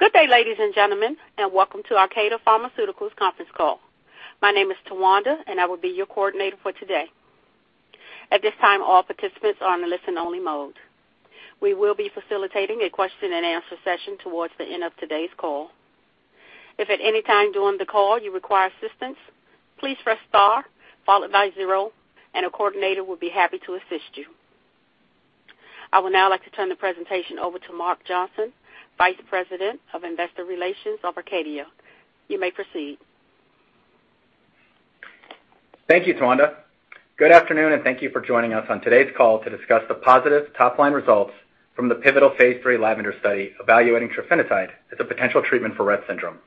Good day, ladies and gentlemen, and welcome to Acadia Pharmaceuticals conference call. My name is Tawanda, and I will be your coordinator for today. At this time, all participants are in a listen-only mode. We will be facilitating a question-and-answer session towards the end of today's call. If at any time during the call you require assistance, please press star followed by zero, and a coordinator will be happy to assist you. I would now like to turn the presentation over to Johnson, Vice President of Investor Relations of Acadia. You may proceed. Thank you, Tawanda. Good afternoon, and thank you for joining us on today's call to discuss the positive top-line results from the pivotal phase III LAVENDER study evaluating Trofinetide as a potential treatment for Rett syndrome.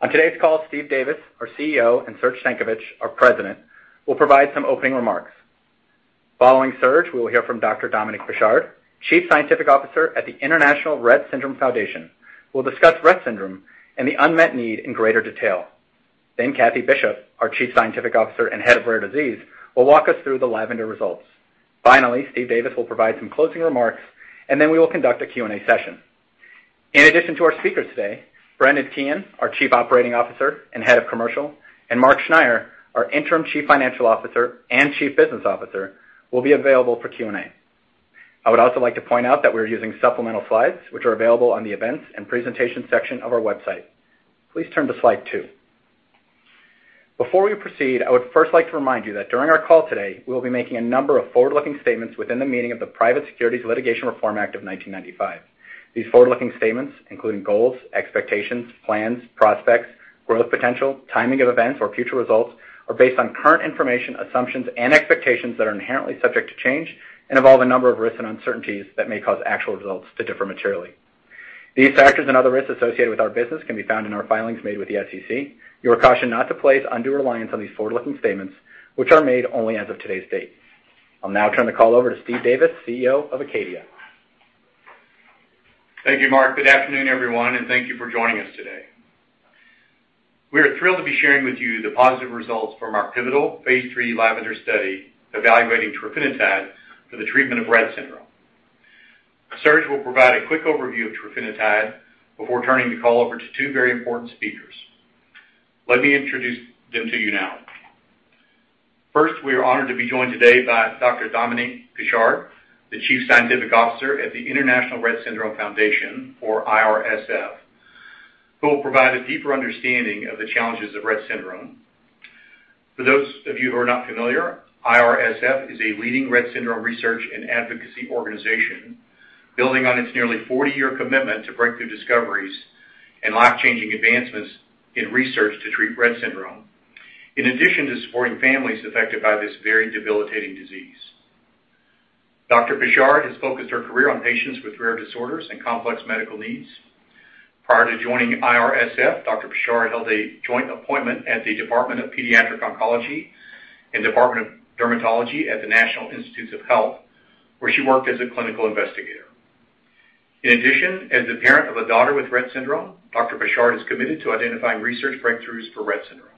On today's call, Steve Davis, our CEO, and Serge Stankovic, our President, will provide some opening remarks. Following Serge, we will hear from Dr. Dominique Pichard, Chief Scientific Officer at the International Rett Syndrome Foundation, who will discuss Rett syndrome and the unmet need in greater detail. Then Kathie Bishop, our Chief Scientific Officer and Head of Rare Disease, will walk us through the LAVENDER results. Finally, Steve Davis will provide some closing remarks, and then we will conduct a Q&A session. In addition to our speakers today, Teehan, our Chief Operating Officer and Head of Commercial, and Mark Schneyer, our interim Chief Financial Officer and Chief Business Officer, will be available for Q&A. I would also like to point out that we're using supplemental slides, which are available on the events and presentation section of our website. Please turn to slide two. Before we proceed, I would first like to remind you that during our call today, we will be making a number of forward-looking statements within the meaning of the Private Securities Litigation Reform Act of 1995. These forward-looking statements, including goals, expectations, plans, prospects, growth potential, timing of events or future results, are based on current information, assumptions, and expectations that are inherently subject to change and involve a number of risks and uncertainties that may cause actual results to differ materially. These factors and other risks associated with our business can be found in our filings made with the SEC. You are cautioned not to place undue reliance on these forward-looking statements which are made only as of today's date. I'll now turn the call over to Steve Davis, CEO of Acadia. Thank you, Mark. Good afternoon, everyone, and thank you for joining us today. We are thrilled to be sharing with you the positive results from our pivotal phase III LAVENDER study evaluating Trofinetide for the treatment of Rett syndrome. Serge will provide a quick overview of Trofinetide before turning the call over to two very important speakers. Let me introduce them to you now. First, we are honored to be joined today by Dr. Dominique Pichard, the Chief Scientific Officer at the International Rett Syndrome Foundation, or IRSF, who will provide a deeper understanding of the challenges of Rett syndrome. For those of you who are not familiar, IRSF is a leading Rett syndrome research and advocacy organization building on its nearly forty-year commitment to breakthrough discoveries and life-changing advancements in research to treat Rett syndrome in addition to supporting families affected by this very debilitating disease. Pichard has focused her career on patients with rare disorders and complex medical needs. Prior to joining IRSF, Dr. Dominique Pichard held a joint appointment at the Department of Pediatric Oncology and Department of Dermatology at the National Institutes of Health, where she worked as a clinical investigator. In addition, as a parent of a daughter with Rett syndrome, Dr. Dominique Pichard is committed to identifying research breakthroughs for Rett syndrome.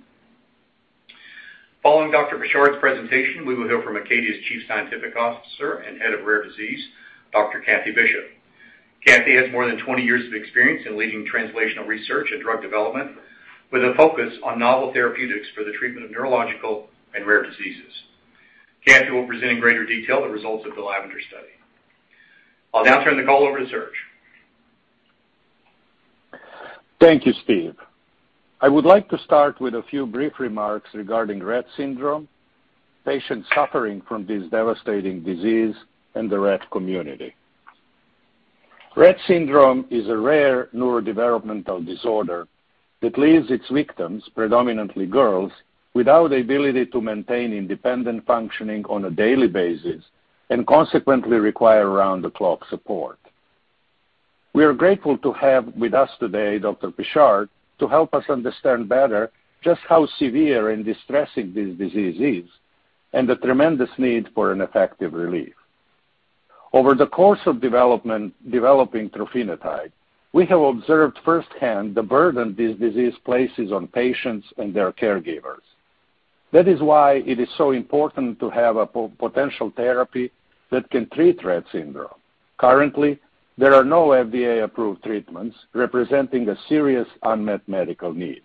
Following Dr. Dominique Pichard's presentation, we will hear from Acadia's Chief Scientific Officer and head of Rare Disease, Dr. Kathie Bishop. Kathie has more than 20 years of experience in leading translational research and drug development, with a focus on novel therapeutics for the treatment of neurological and rare diseases. Kathie will present in greater detail the results of the LAVENDER study. I'll now turn the call over to Serge. Thank you, Steve. I would like to start with a few brief remarks regarding Rett syndrome, patients suffering from this devastating disease, and the Rett community. Rett syndrome is a rare neurodevelopmental disorder that leaves its victims, predominantly girls, without the ability to maintain independent functioning on a daily basis and consequently require round-the-clock support. We are grateful to have with us today Dr. Pichard to help us understand better just how severe and distressing this disease is and the tremendous need for an effective relief. Over the course of developing Trofinetide, we have observed firsthand the burden this disease places on patients and their caregivers. That is why it is so important to have a potential therapy that can treat Rett syndrome. Currently, there are no FDA-approved treatments representing a serious unmet medical need.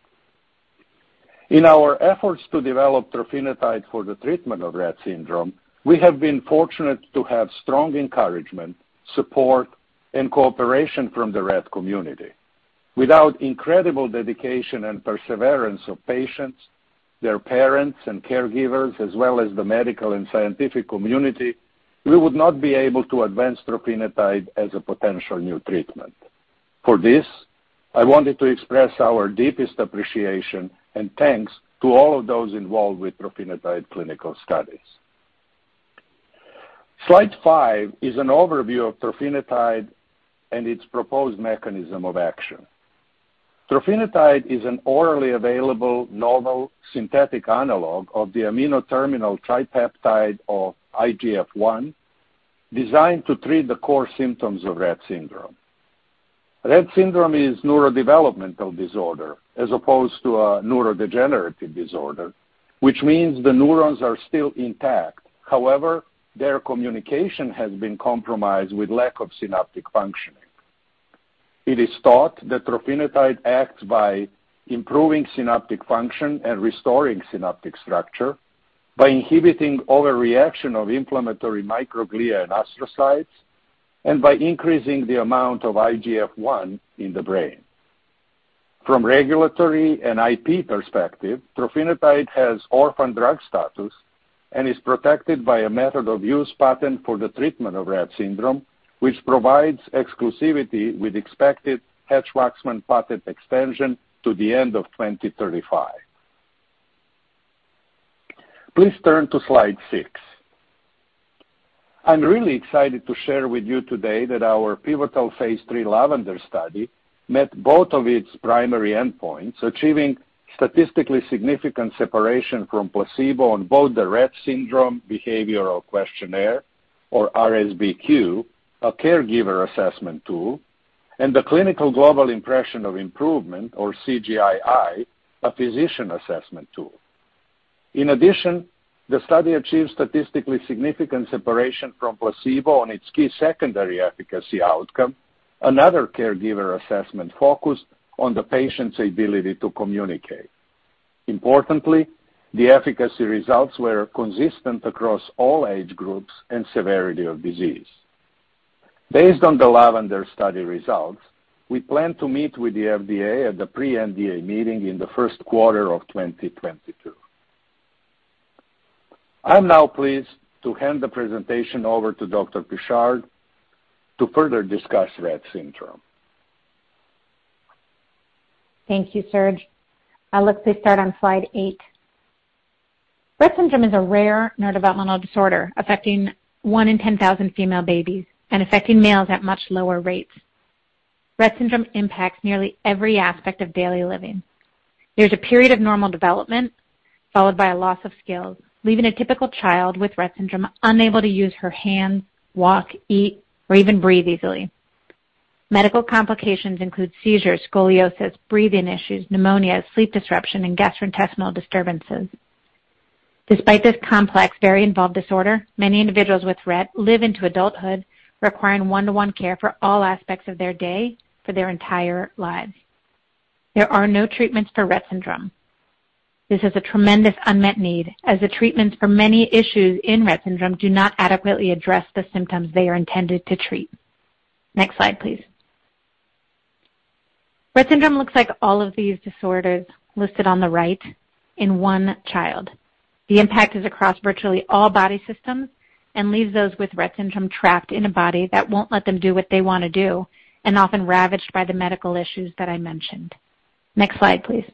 In our efforts to develop Trofinetide for the treatment of Rett syndrome, we have been fortunate to have strong encouragement, support, and cooperation from the Rett community. Without incredible dedication and perseverance of patients, their parents and caregivers, as well as the medical and scientific community, we would not be able to advance Trofinetide as a potential new treatment. For this, I wanted to express our deepest appreciation and thanks to all of those involved with Trofinetide clinical studies. Slide five is an overview of Trofinetide and its proposed mechanism of action. Trofinetide is an orally available novel synthetic analog of the amino terminal tripeptide of IGF-1 designed to treat the core symptoms of Rett syndrome. Rett syndrome is a neurodevelopmental disorder as opposed to a neurodegenerative disorder. Which means the neurons are still intact. However, their communication has been compromised with lack of synaptic functioning. It is thought that Trofinetide acts by improving synaptic function and restoring synaptic structure by inhibiting overreaction of inflammatory microglia and astrocytes and by increasing the amount of IGF-1 in the brain. From regulatory and IP perspective, Trofinetide has orphan drug status and is protected by a method of use patent for the treatment of Rett syndrome, which provides exclusivity with expected Hatch-Waxman patent extension to the end of 2035. Please turn to slide six. I'm really excited to share with you today that our pivotal phase III LAVENDER study met both of its primary endpoints, achieving statistically significant separation from placebo on both the Rett Syndrome Behavioral Questionnaire, or RSBQ, a caregiver assessment tool, and the Clinical Global Impression of Improvement, or CGI-I, a physician assessment tool. In addition, the study achieved statistically significant separation from placebo on its key secondary efficacy outcome. Another caregiver assessment focused on the patient's ability to communicate. Importantly, the efficacy results were consistent across all age groups and severity of disease. Based on the LAVENDER study results, we plan to meet with the FDA at the pre-NDA meeting in the first quarter of 2022. I'm now pleased to hand the presentation over to Dr. Pichard to further discuss Rett syndrome. Thank you, Serge. Let's please start on slide eight. Rett syndrome is a rare neurodevelopmental disorder affecting one in 10,000 female babies and affecting males at much lower rates. Rett syndrome impacts nearly every aspect of daily living. There's a period of normal development followed by a loss of skills, leaving a typical child with Rett syndrome unable to use her hands, walk, eat, or even breathe easily. Medical complications include seizures, scoliosis, breathing issues, pneumonia, sleep disruption, and gastrointestinal disturbances. Despite this complex, very involved disorder, many individuals with Rett live into adulthood, requiring one-to-one care for all aspects of their day for their entire lives. There are no treatments for Rett syndrome. This is a tremendous unmet need, as the treatments for many issues in Rett syndrome do not adequately address the symptoms they are intended to treat. Next slide, please. Rett syndrome looks like all of these disorders listed on the right in one child. The impact is across virtually all body systems and leaves those with Rett syndrome trapped in a body that won't let them do what they wanna do and often ravaged by the medical issues that I mentioned. Next slide, please.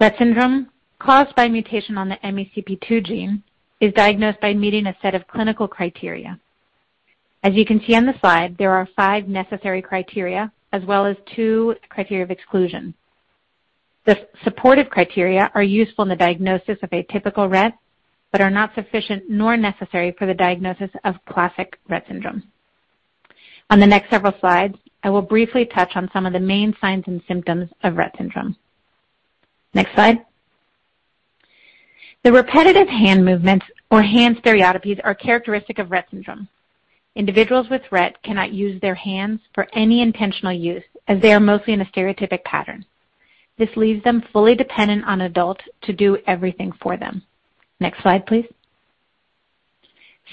Rett syndrome, caused by mutation on the MECP2 gene, is diagnosed by meeting a set of clinical criteria. As you can see on the slide, there are five necessary criteria as well as two criteria of exclusion. The supportive criteria are useful in the diagnosis of atypical Rett but are not sufficient nor necessary for the diagnosis of classic Rett syndrome. On the next several slides, I will briefly touch on some of the main signs and symptoms of Rett syndrome. Next slide. The repetitive hand movements or hand stereotypies are characteristic of Rett syndrome. Individuals with Rett cannot use their hands for any intentional use as they are mostly in a stereotypic pattern. This leaves them fully dependent on adults to do everything for them. Next slide, please.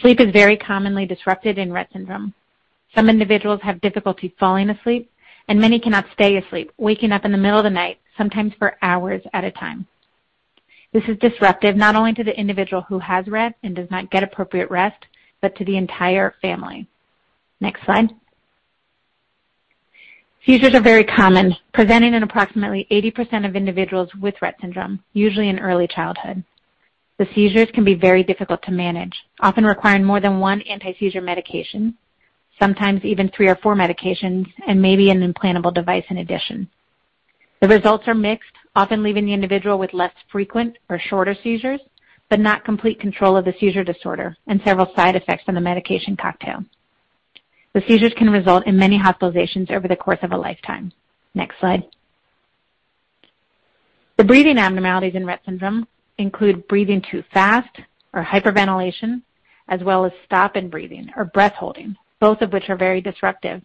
Sleep is very commonly disrupted in Rett syndrome. Some individuals have difficulty falling asleep, and many cannot stay asleep, waking up in the middle of the night, sometimes for hours at a time. This is disruptive not only to the individual who has Rett and does not get appropriate rest, but to the entire family. Next slide. Seizures are very common, presenting in approximately 80% of individuals with Rett syndrome, usually in early childhood. The seizures can be very difficult to manage, often requiring more than one anti-seizure medication, sometimes even three or four medications, and maybe an implantable device in addition. The results are mixed, often leaving the individual with less frequent or shorter seizures, but not complete control of the seizure disorder and several side effects from the medication cocktail. The seizures can result in many hospitalizations over the course of a lifetime. Next slide. The breathing abnormalities in Rett syndrome include breathing too fast or hyperventilation, as well as stop in breathing or breath holding, both of which are very disruptive.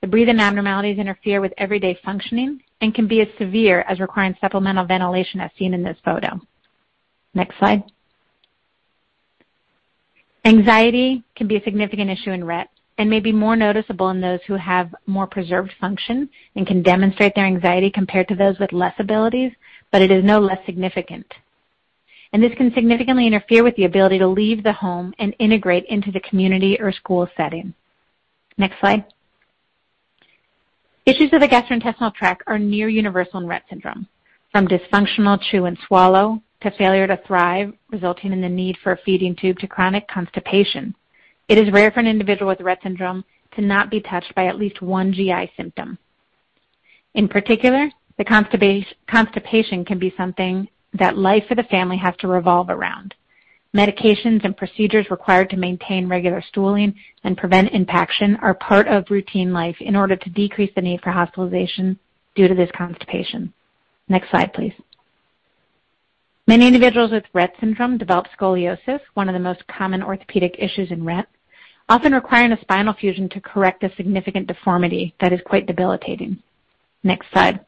The breathing abnormalities interfere with everyday functioning and can be as severe as requiring supplemental ventilation as seen in this photo. Next slide. Anxiety can be a significant issue in Rett and may be more noticeable in those who have more preserved function and can demonstrate their anxiety compared to those with less abilities, but it is no less significant. This can significantly interfere with the ability to leave the home and integrate into the community or school setting. Next slide. Issues of the gastrointestinal tract are near universal in Rett syndrome. From dysfunctional chew and swallow to failure to thrive, resulting in the need for a feeding tube to chronic constipation. It is rare for an individual with Rett syndrome to not be touched by at least one GI symptom. In particular, the constipation can be something that life for the family has to revolve around. Medications and procedures required to maintain regular stooling and prevent impaction are part of routine life in order to decrease the need for hospitalization due to this constipation. Next slide, please. Many individuals with Rett syndrome develop scoliosis, one of the most common orthopedic issues in Rett, often requiring a spinal fusion to correct a significant deformity that is quite debilitating. Next slide.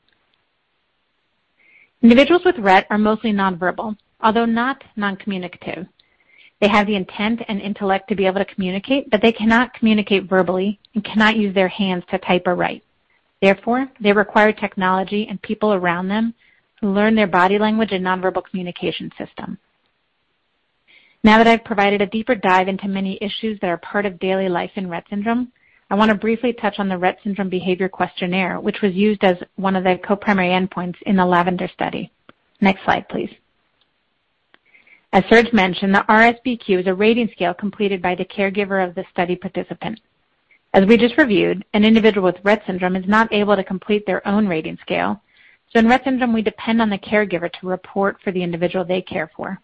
Individuals with Rett are mostly non-verbal, although not non-communicative. They have the intent and intellect to be able to communicate, but they cannot communicate verbally and cannot use their hands to type or write. Therefore, they require technology and people around them who learn their body language and non-verbal communication system. Now that I've provided a deeper dive into many issues that are part of daily life in Rett syndrome, I want to briefly touch on the Rett Syndrome Behavior Questionnaire, which was used as one of the co-primary endpoints in the LAVENDER study. Next slide, please. As Surge mentioned, the RSBQ is a rating scale completed by the caregiver of the study participant. As we just reviewed, an individual with Rett syndrome is not able to complete their own rating scale, so in Rett syndrome we depend on the caregiver to report for the individual they care for.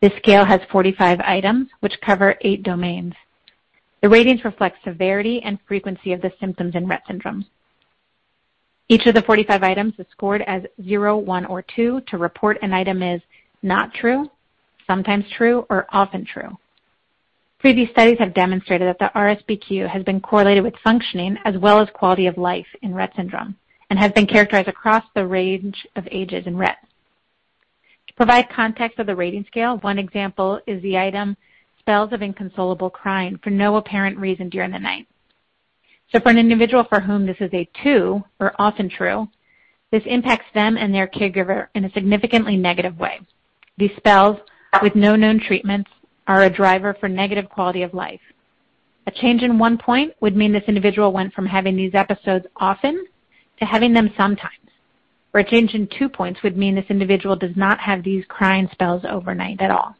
This scale has 45 items which cover eight domains. The ratings reflect severity and frequency of the symptoms in Rett syndrome. Each of the 45 items is scored as zero, one, or two to report an item is not true, sometimes true, or often true. Previous studies have demonstrated that the RSBQ has been correlated with functioning as well as quality of life in Rett syndrome and has been characterized across the range of ages in Rett. To provide context of the rating scale, one example is the item "spells of inconsolable crying for no apparent reason during the night." For an individual for whom this is a two, or often true, this impacts them and their caregiver in a significantly negative way. These spells, with no known treatments, are a driver for negative quality of life. A change in one point would mean this individual went from having these episodes often to having them sometimes, where a change in two points would mean this individual does not have these crying spells overnight at all.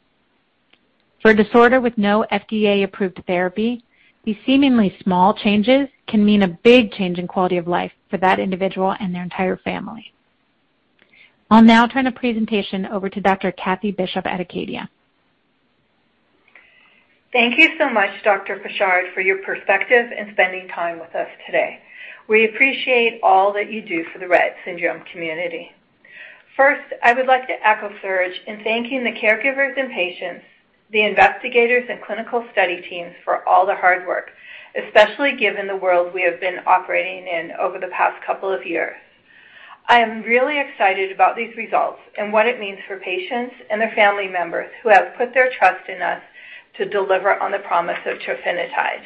For a disorder with no FDA-approved therapy, these seemingly small changes can mean a big change in quality of life for that individual and their entire family. I'll now turn the presentation over to Dr. Kathie Bishop at Acadia. Thank you so much, Dr. Pichard, for your perspective and spending time with us today. We appreciate all that you do for the Rett syndrome community. First, I would like to echo Serge in thanking the caregivers and patients, the investigators and clinical study teams for all the hard work, especially given the world we have been operating in over the past couple of years. I am really excited about these results and what it means for patients and their family members who have put their trust in us to deliver on the promise of Trofinetide.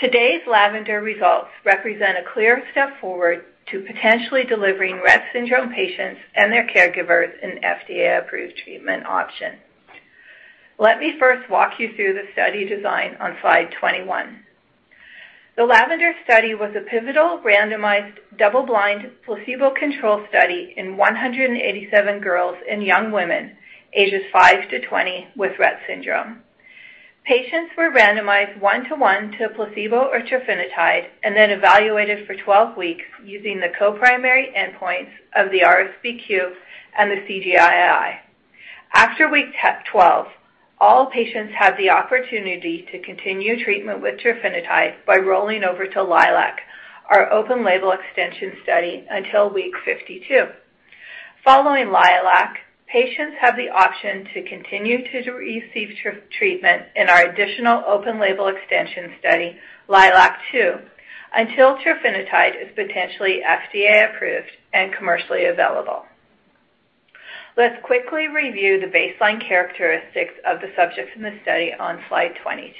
Today's LAVENDER results represent a clear step forward to potentially delivering Rett syndrome patients and their caregivers an FDA-approved treatment option. Let me first walk you through the study design on slide 21. The LAVENDER study was a pivotal, randomized, double-blind, placebo-controlled study in 187 girls and young women, ages five to 20, with Rett syndrome. Patients were randomized one to one to placebo or Trofinetide and then evaluated for 12 weeks using the co-primary endpoints of the RSBQ and the CGI-I. After week 12, all patients had the opportunity to continue treatment with Trofinetide by rolling over to LILAC, our open label extension study, until week 52. Following LILAC, patients have the option to continue to receive treatment in our additional open label extension study, LILAC-2, until Trofinetide is potentially FDA approved and commercially available. Let's quickly review the baseline characteristics of the subjects in the study on slide 22.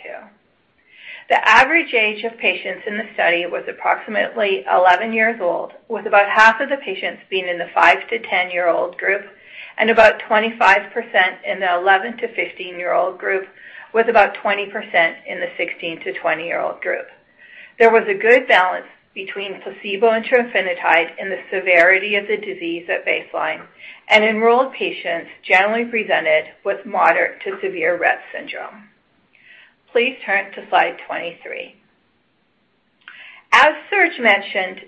The average age of patients in the study was approximately 11 years old, with about half of the patients being in the five to 10-year-old group and about 25% in the 11 to 15-year-old group, with about 20% in the 16 to 20-year-old group. There was a good balance between placebo and Trofinetide in the severity of the disease at baseline, and enrolled patients generally presented with moderate to severe Rett syndrome. Please turn to slide 23. As Serge mentioned,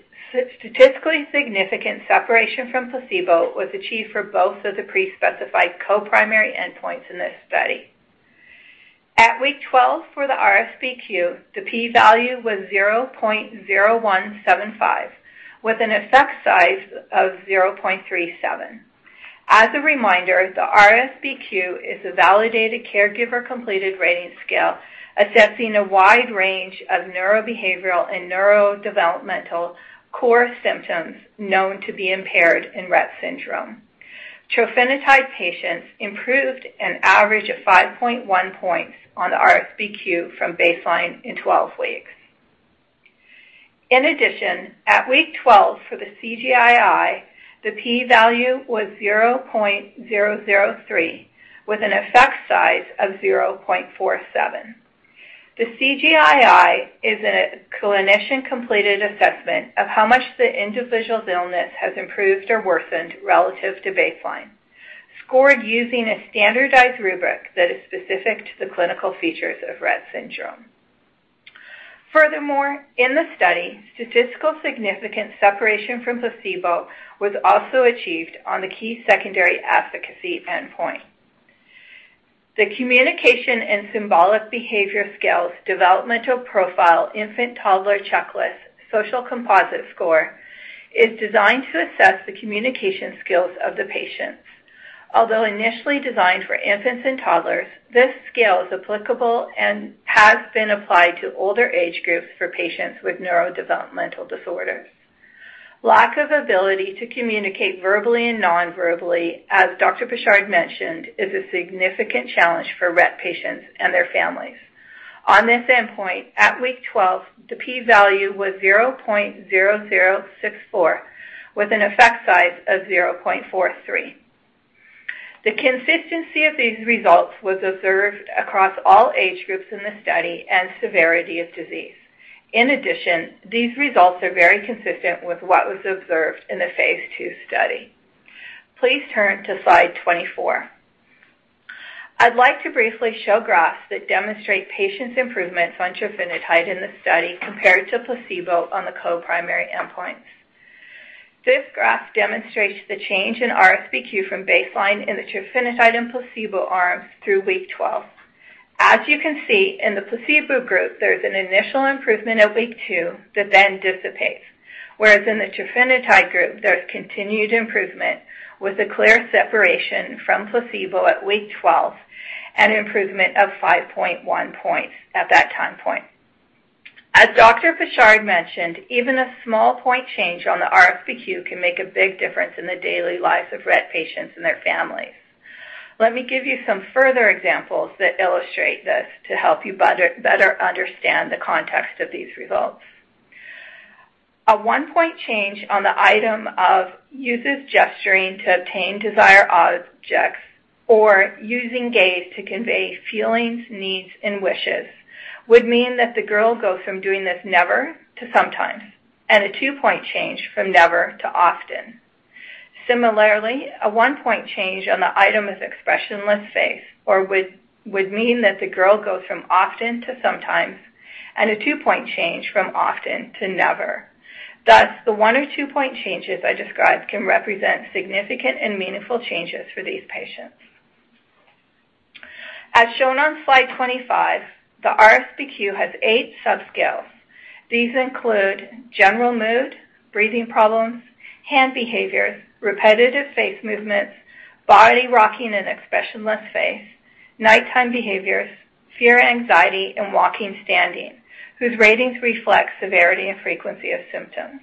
statistically significant separation from placebo was achieved for both of the pre-specified co-primary endpoints in this study. At week 12 for the RSBQ, the P value was 0.0175, with an effect size of 0.37. As a reminder, the RSBQ is a validated caregiver-completed rating scale assessing a wide range of neurobehavioral and neurodevelopmental core symptoms known to be impaired in Rett syndrome. Trofinetide patients improved an average of 5.1 points on the RSBQ from baseline in 12 weeks. In addition, at week 12 for the CGI-I, the P value was 0.003, with an effect size of 0.47. The CGI-I is a clinician-completed assessment of how much the individual's illness has improved or worsened relative to baseline, scored using a standardized rubric that is specific to the clinical features of Rett syndrome. Furthermore, in the study, statistically significant separation from placebo was also achieved on the key secondary efficacy endpoint. The Communication and Symbolic Behavior Scales Developmental Profile Infant-Toddler Checklist social composite score is designed to assess the communication skills of the patients. Although initially designed for infants and toddlers, this scale is applicable and has been applied to older age groups for patients with neurodevelopmental disorders. Lack of ability to communicate verbally and non-verbally, as Dr. Pichard mentioned, is a significant challenge for Rett patients and their families. On this endpoint, at week 12, the P value was 0.0064, with an effect size of 0.43. The consistency of these results was observed across all age groups in the study and severity of disease. In addition, these results are very consistent with what was observed in the phase II study. Please turn to slide 24. I'd like to briefly show graphs that demonstrate patients' improvements on Trofinetide in the study compared to placebo on the co-primary endpoints. This graph demonstrates the change in RSBQ from baseline in the Trofinetide and placebo arms through week 12. As you can see, in the placebo group, there's an initial improvement at week two that then dissipates. Whereas in the Trofinetide group, there's continued improvement with a clear separation from placebo at week 12 and improvement of 5.1 points at that time point. As Dr. Pichard mentioned, even a small point change on the RSBQ can make a big difference in the daily lives of Rett patients and their families. Let me give you some further examples that illustrate this to help you better understand the context of these results. A one-point change on the item of "uses gesturing to obtain desire objects" or "using gaze to convey feelings, needs, and wishes" would mean that the girl goes from doing this never to sometimes, and a two-point change from never to often. Similarly, a one-point change on the item is "expressionless face" or would mean that the girl goes from often to sometimes, and a two-point change from often to never. Thus, the one or two-point changes I described can represent significant and meaningful changes for these patients. As shown on slide 25, the RSBQ has eight subscales. These include general mood, breathing problems, hand behaviors, repetitive face movements, body rocking and expressionless face, nighttime behaviors, fear, anxiety, and walking, standing, whose ratings reflect severity and frequency of symptoms.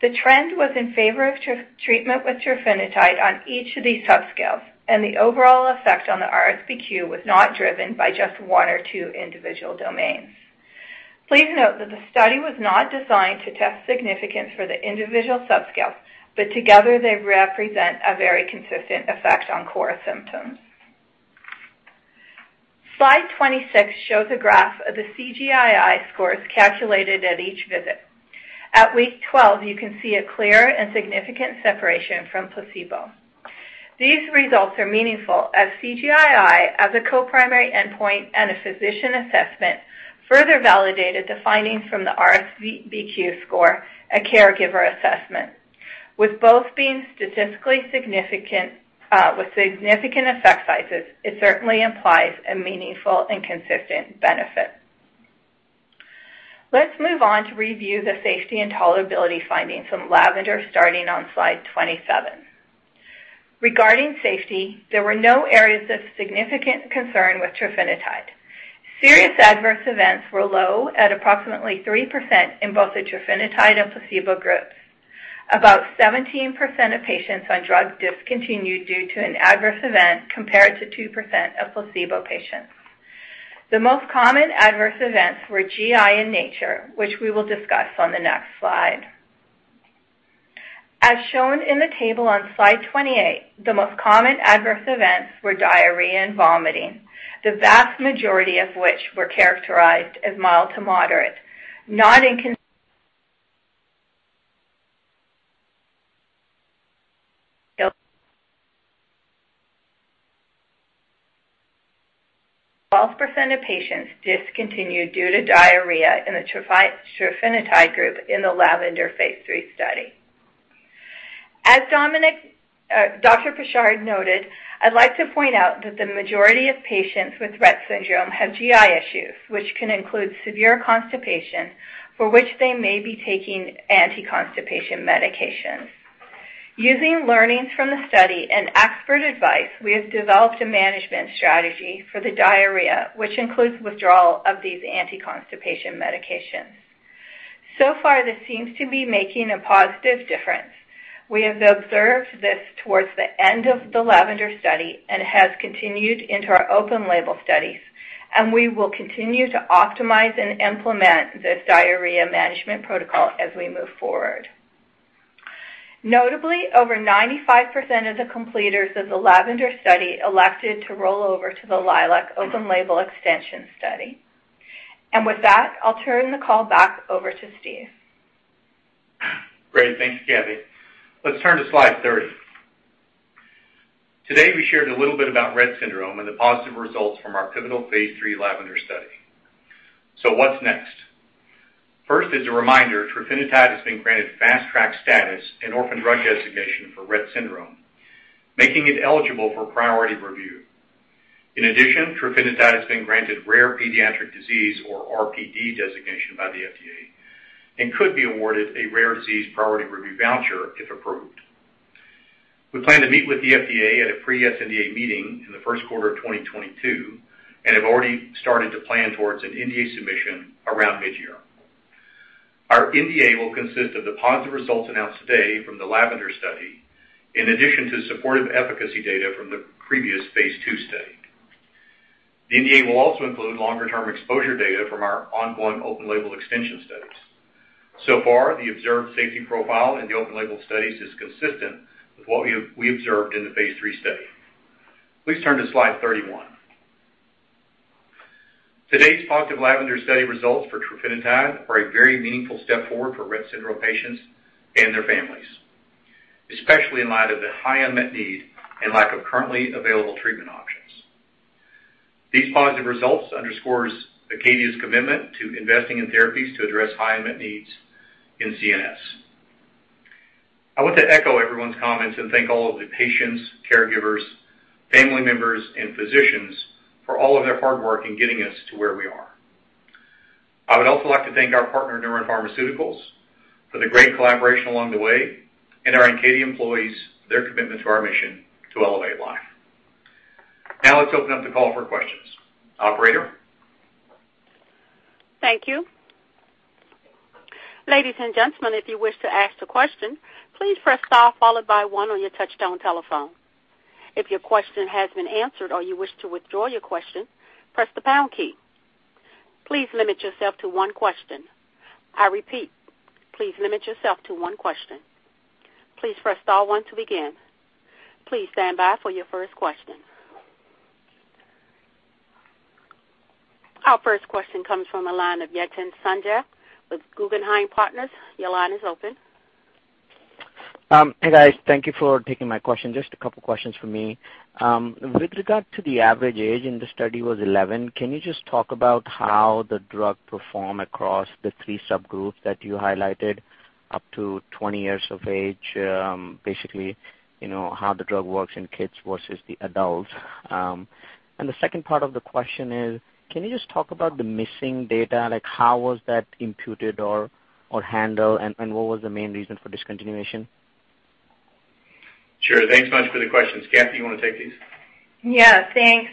The trend was in favor of treatment with Trofinetide on each of these subscales, and the overall effect on the RSBQ was not driven by just one or two individual domains. Please note that the study was not designed to test significance for the individual subscales, but together they represent a very consistent effect on core symptoms. Slide 26 shows a graph of the CGI-I scores calculated at each visit. At week 12, you can see a clear and significant separation from placebo. These results are meaningful as CGI-I, as a co-primary endpoint and a physician assessment, further validated the findings from the RSBQ score, a caregiver assessment. With both being statistically significant with significant effect sizes, it certainly implies a meaningful and consistent benefit. Let's move on to review the safety and tolerability findings from LAVENDER starting on slide 27. Regarding safety, there were no areas of significant concern with Trofinetide. Serious adverse events were low at approximately 3% in both the Trofinetide and placebo groups. About 17% of patients on drug discontinued due to an adverse event compared to 2% of placebo patients. The most common adverse events were GI in nature, which we will discuss on the next slide. As shown in the table on slide 28, the most common adverse events were diarrhea and vomiting. The vast majority of which were characterized as mild to moderate. Twelve percent of patients discontinued due to diarrhea in the Trofinetide group in the LAVENDER phase III study. As Dominic, Dr. Pichard noted, I'd like to point out that the majority of patients with Rett syndrome have GI issues, which can include severe constipation, for which they may be taking anti-constipation medications. Using learnings from the study and expert advice, we have developed a management strategy for the diarrhea, which includes withdrawal of these anti-constipation medications. So far, this seems to be making a positive difference. We have observed this towards the end of the LAVENDER study and has continued into our open-label studies, and we will continue to optimize and implement this diarrhea management protocol as we move forward. Notably, over 95% of the completers of the LAVENDER study elected to roll over to the LILAC open-label extension study. With that, I'll turn the call back over to Steve. Great. Thanks, Kathie. Let's turn to slide 30. Today, we shared a little bit about Rett syndrome and the positive results from our pivotal phase III LAVENDER study. What's next? First, as a reminder, Trofinetide has been granted Fast Track status and Orphan Drug Designation for Rett syndrome, making it eligible for priority review. In addition, Trofinetide has been granted Rare Pediatric Disease, or RPD designation by the FDA and could be awarded a rare disease priority review voucher if approved. We plan to meet with the FDA at a pre-NDA meeting in the first quarter of 2022 and have already started to plan towards an NDA submission around mid-year. Our NDA will consist of the positive results announced today from the LAVENDER study, in addition to supportive efficacy data from the previous phase II study. The NDA will also include longer-term exposure data from our ongoing open label extension studies. So far, the observed safety profile in the open label studies is consistent with what we observed in the phase III study. Please turn to slide 31. Today's positive LAVENDER study results for Trofinetide are a very meaningful step forward for Rett syndrome patients and their families, especially in light of the high unmet need and lack of currently available treatment options. These positive results underscores Acadia's commitment to investing in therapies to address high unmet needs in CNS. I want to echo everyone's comments and thank all of the patients, caregivers, family members, and physicians for all of their hard work in getting us to where we are. I would also like to thank our partner, Neuren Pharmaceuticals, for the great collaboration along the way, and our Acadia employees for their commitment to our mission to elevate life. Now let's open up the call for questions. Operator? Thank you. Ladies and gentlemen, if you wish to ask a question, please press star followed by one on your touchtone telephone. If your question has been answered or you wish to withdraw your question, press the pound key. Please limit yourself to one question. I repeat, please limit yourself to one question. Please press star one to begin. Please stand by for your first question. Our first question comes from the line of Yatin Suneja with Guggenheim Securities. Your line is open. Hey, guys. Thank you for taking my question. Just a couple questions for me. With regard to the average age, and the study was 11, can you just talk about how the drug perform across the three subgroups that you highlighted up to 20 years of age, basically, you know, how the drug works in kids versus the adults? And the second part of the question is, can you just talk about the missing data? Like, how was that imputed or handled? And what was the main reason for discontinuation? Sure. Thanks so much for the questions. Kathie, you wanna take these? Yeah, thanks.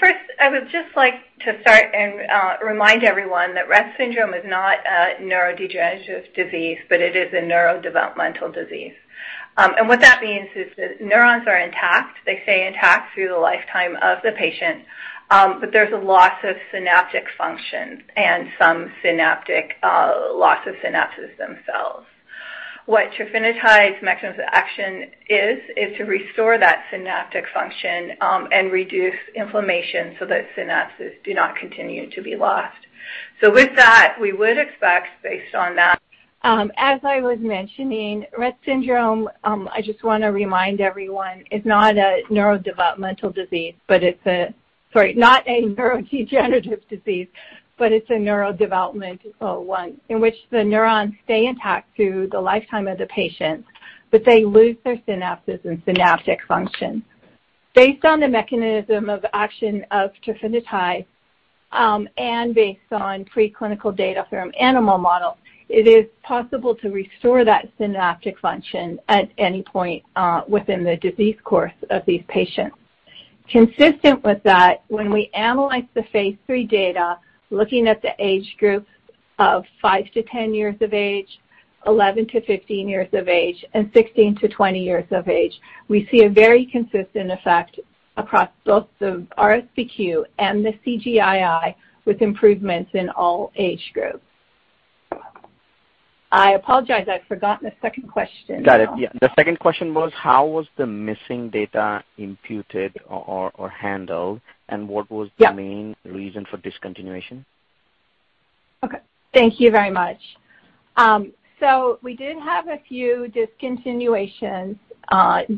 First, I would just like to start and remind everyone that Rett syndrome is not a neurodegenerative disease, but it is a neurodevelopmental disease. What that means is that neurons are intact. They stay intact through the lifetime of the patient, but there's a loss of synaptic function and some synaptic loss of synapses themselves. What Trofinetide's mechanism of action is to restore that synaptic function and reduce inflammation so that synapses do not continue to be lost. With that, we would expect, based on that. Based on the mechanism of action of Trofinetide, and based on preclinical data from animal models, it is possible to restore that synaptic function at any point, within the disease course of these patients. Consistent with that, when we analyze the phase III data, looking at the age group of five to 10 years of age, 11-15 years of age, and 16-20 years of age, we see a very consistent effect across both the RSBQ and the CGI-I, with improvements in all age groups. I apologize, I've forgotten the second question. Got it. Yeah. The second question was how was the missing data imputed or handled, and what was. Yeah. What is the main reason for discontinuation? Okay. Thank you very much. We did have a few discontinuations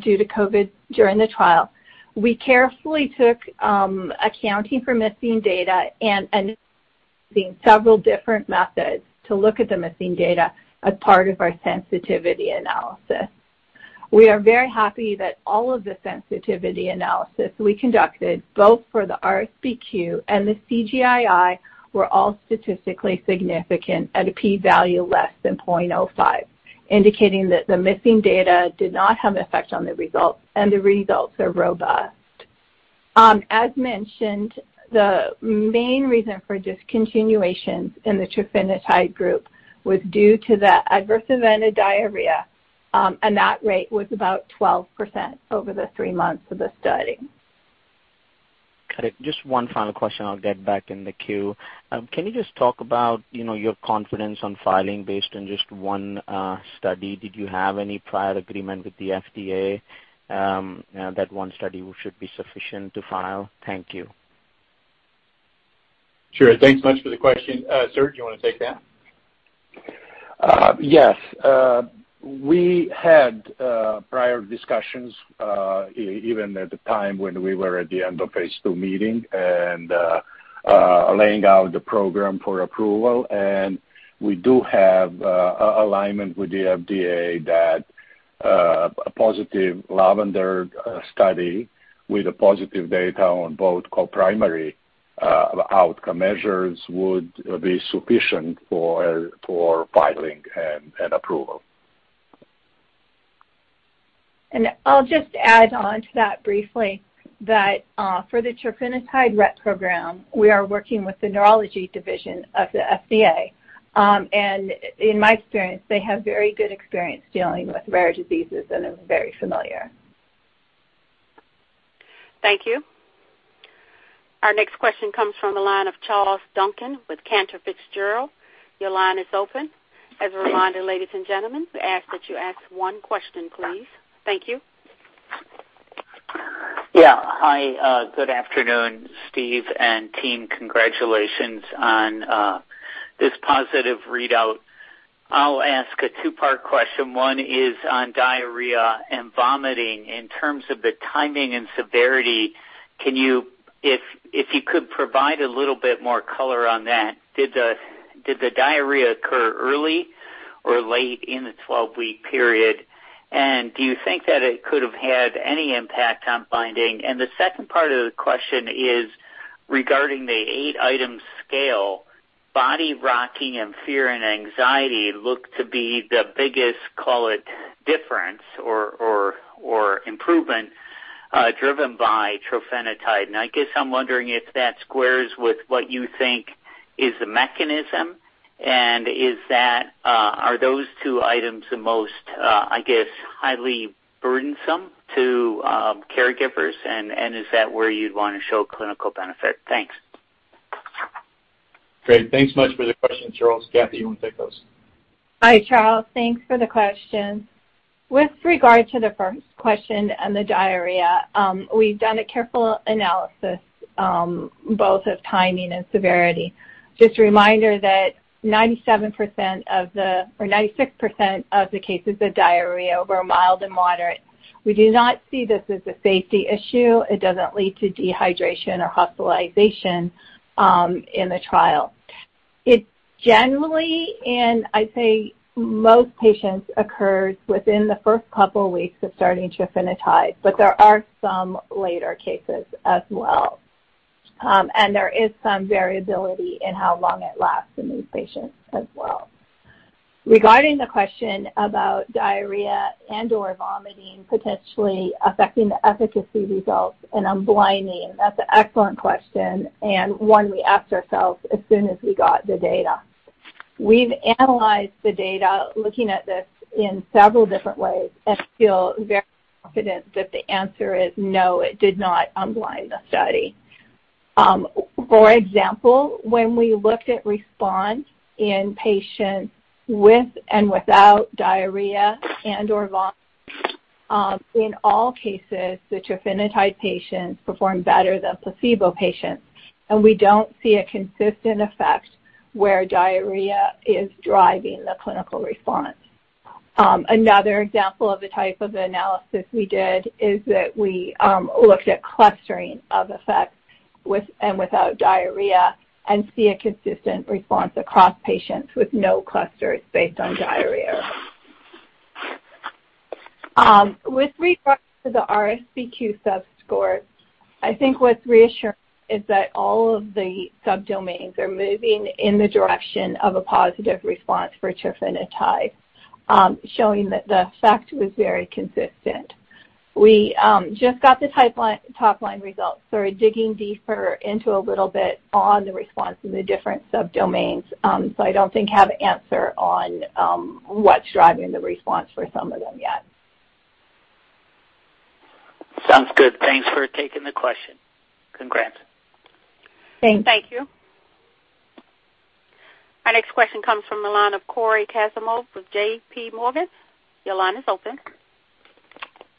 due to COVID during the trial. We carefully took into account missing data and employed several different methods to look at the missing data as part of our sensitivity analysis. We are very happy that all of the sensitivity analysis we conducted, both for the RSBQ and the CGI-I, were all statistically significant at a P value less than 0.05, indicating that the missing data did not have an effect on the results, and the results are robust. As mentioned, the main reason for discontinuations in the Trofinetide group was due to the adverse event of diarrhea, and that rate was about 12% over the three months of the study. Got it. Just one final question. I'll get back in the queue. Can you just talk about, you know, your confidence on filing based on just one study? Did you have any prior agreement with the FDA, that one study should be sufficient to file? Thank you. Sure. Thanks much for the question. Serge, do you wanna take that? Yes. We had prior discussions even at the time when we were at the end of phase II meeting and laying out the program for approval. We do have alignment with the FDA that a positive LAVENDER study with positive data on both co-primary outcome measures would be sufficient for filing and approval. I'll just add on to that briefly that, for the Trofinetide Rett program, we are working with the neurology division of the FDA. In my experience, they have very good experience dealing with rare diseases, and are very familiar. Thank you. Our next question comes from the line of Charles Duncan with Cantor Fitzgerald. Your line is open. As a reminder, ladies and gentlemen, we ask that you ask one question, please. Thank you. Yeah. Hi. Good afternoon, Steve and team. Congratulations on this positive readout. I'll ask a two-part question. One is on diarrhea and vomiting. In terms of the timing and severity, can you provide a little bit more color on that. Did the diarrhea occur early or late in the 12-week period? And do you think that it could have had any impact on blinding? And the second part of the question is regarding the eight-item scale, body rocking and fear and anxiety look to be the biggest, call it difference or improvement, driven by Trofinetide. And I guess I'm wondering if that squares with what you think is the mechanism. And are those two items the most highly burdensome to caregivers? And is that where you'd wanna show clinical benefit? Thanks. Great. Thanks much for the question, Charles. Kathie, you wanna take those? Hi, Charles. Thanks for the question. With regard to the first question on the diarrhea, we've done a careful analysis, both of timing and severity. Just a reminder that 96% of the cases of diarrhea were mild and moderate. We do not see this as a safety issue. It doesn't lead to dehydration or hospitalization, in the trial. It generally, and I'd say most patients occurred within the first couple weeks of starting Trofinetide, but there are some later cases as well. And there is some variability in how long it lasts in these patients as well. Regarding the question about diarrhea and/or vomiting potentially affecting the efficacy results and unblinding, that's an excellent question and one we asked ourselves as soon as we got the data. We've analyzed the data looking at this in several different ways and feel very confident that the answer is no, it did not unblind the study. For example, when we looked at response in patients with and without diarrhea and/or vomit, in all cases, the Trofinetide patients performed better than placebo patients, and we don't see a consistent effect where diarrhea is driving the clinical response. Another example of the type of analysis we did is that we looked at clustering of effects with and without diarrhea and see a consistent response across patients with no clusters based on diarrhea. With regard to the RSBQ subscore, I think what's reassuring is that all of the subdomains are moving in the direction of a positive response for Trofinetide, showing that the effect was very consistent. We just got the top line results. We're digging deeper into a little bit on the response in the different subdomains, so I don't think have an answer on what's driving the response for some of them yet. Sounds good. Thanks for taking the question. Congrats. Thanks. Thank you. Our next question comes from the line of Cory Kasimov with JP Morgan. Your line is open.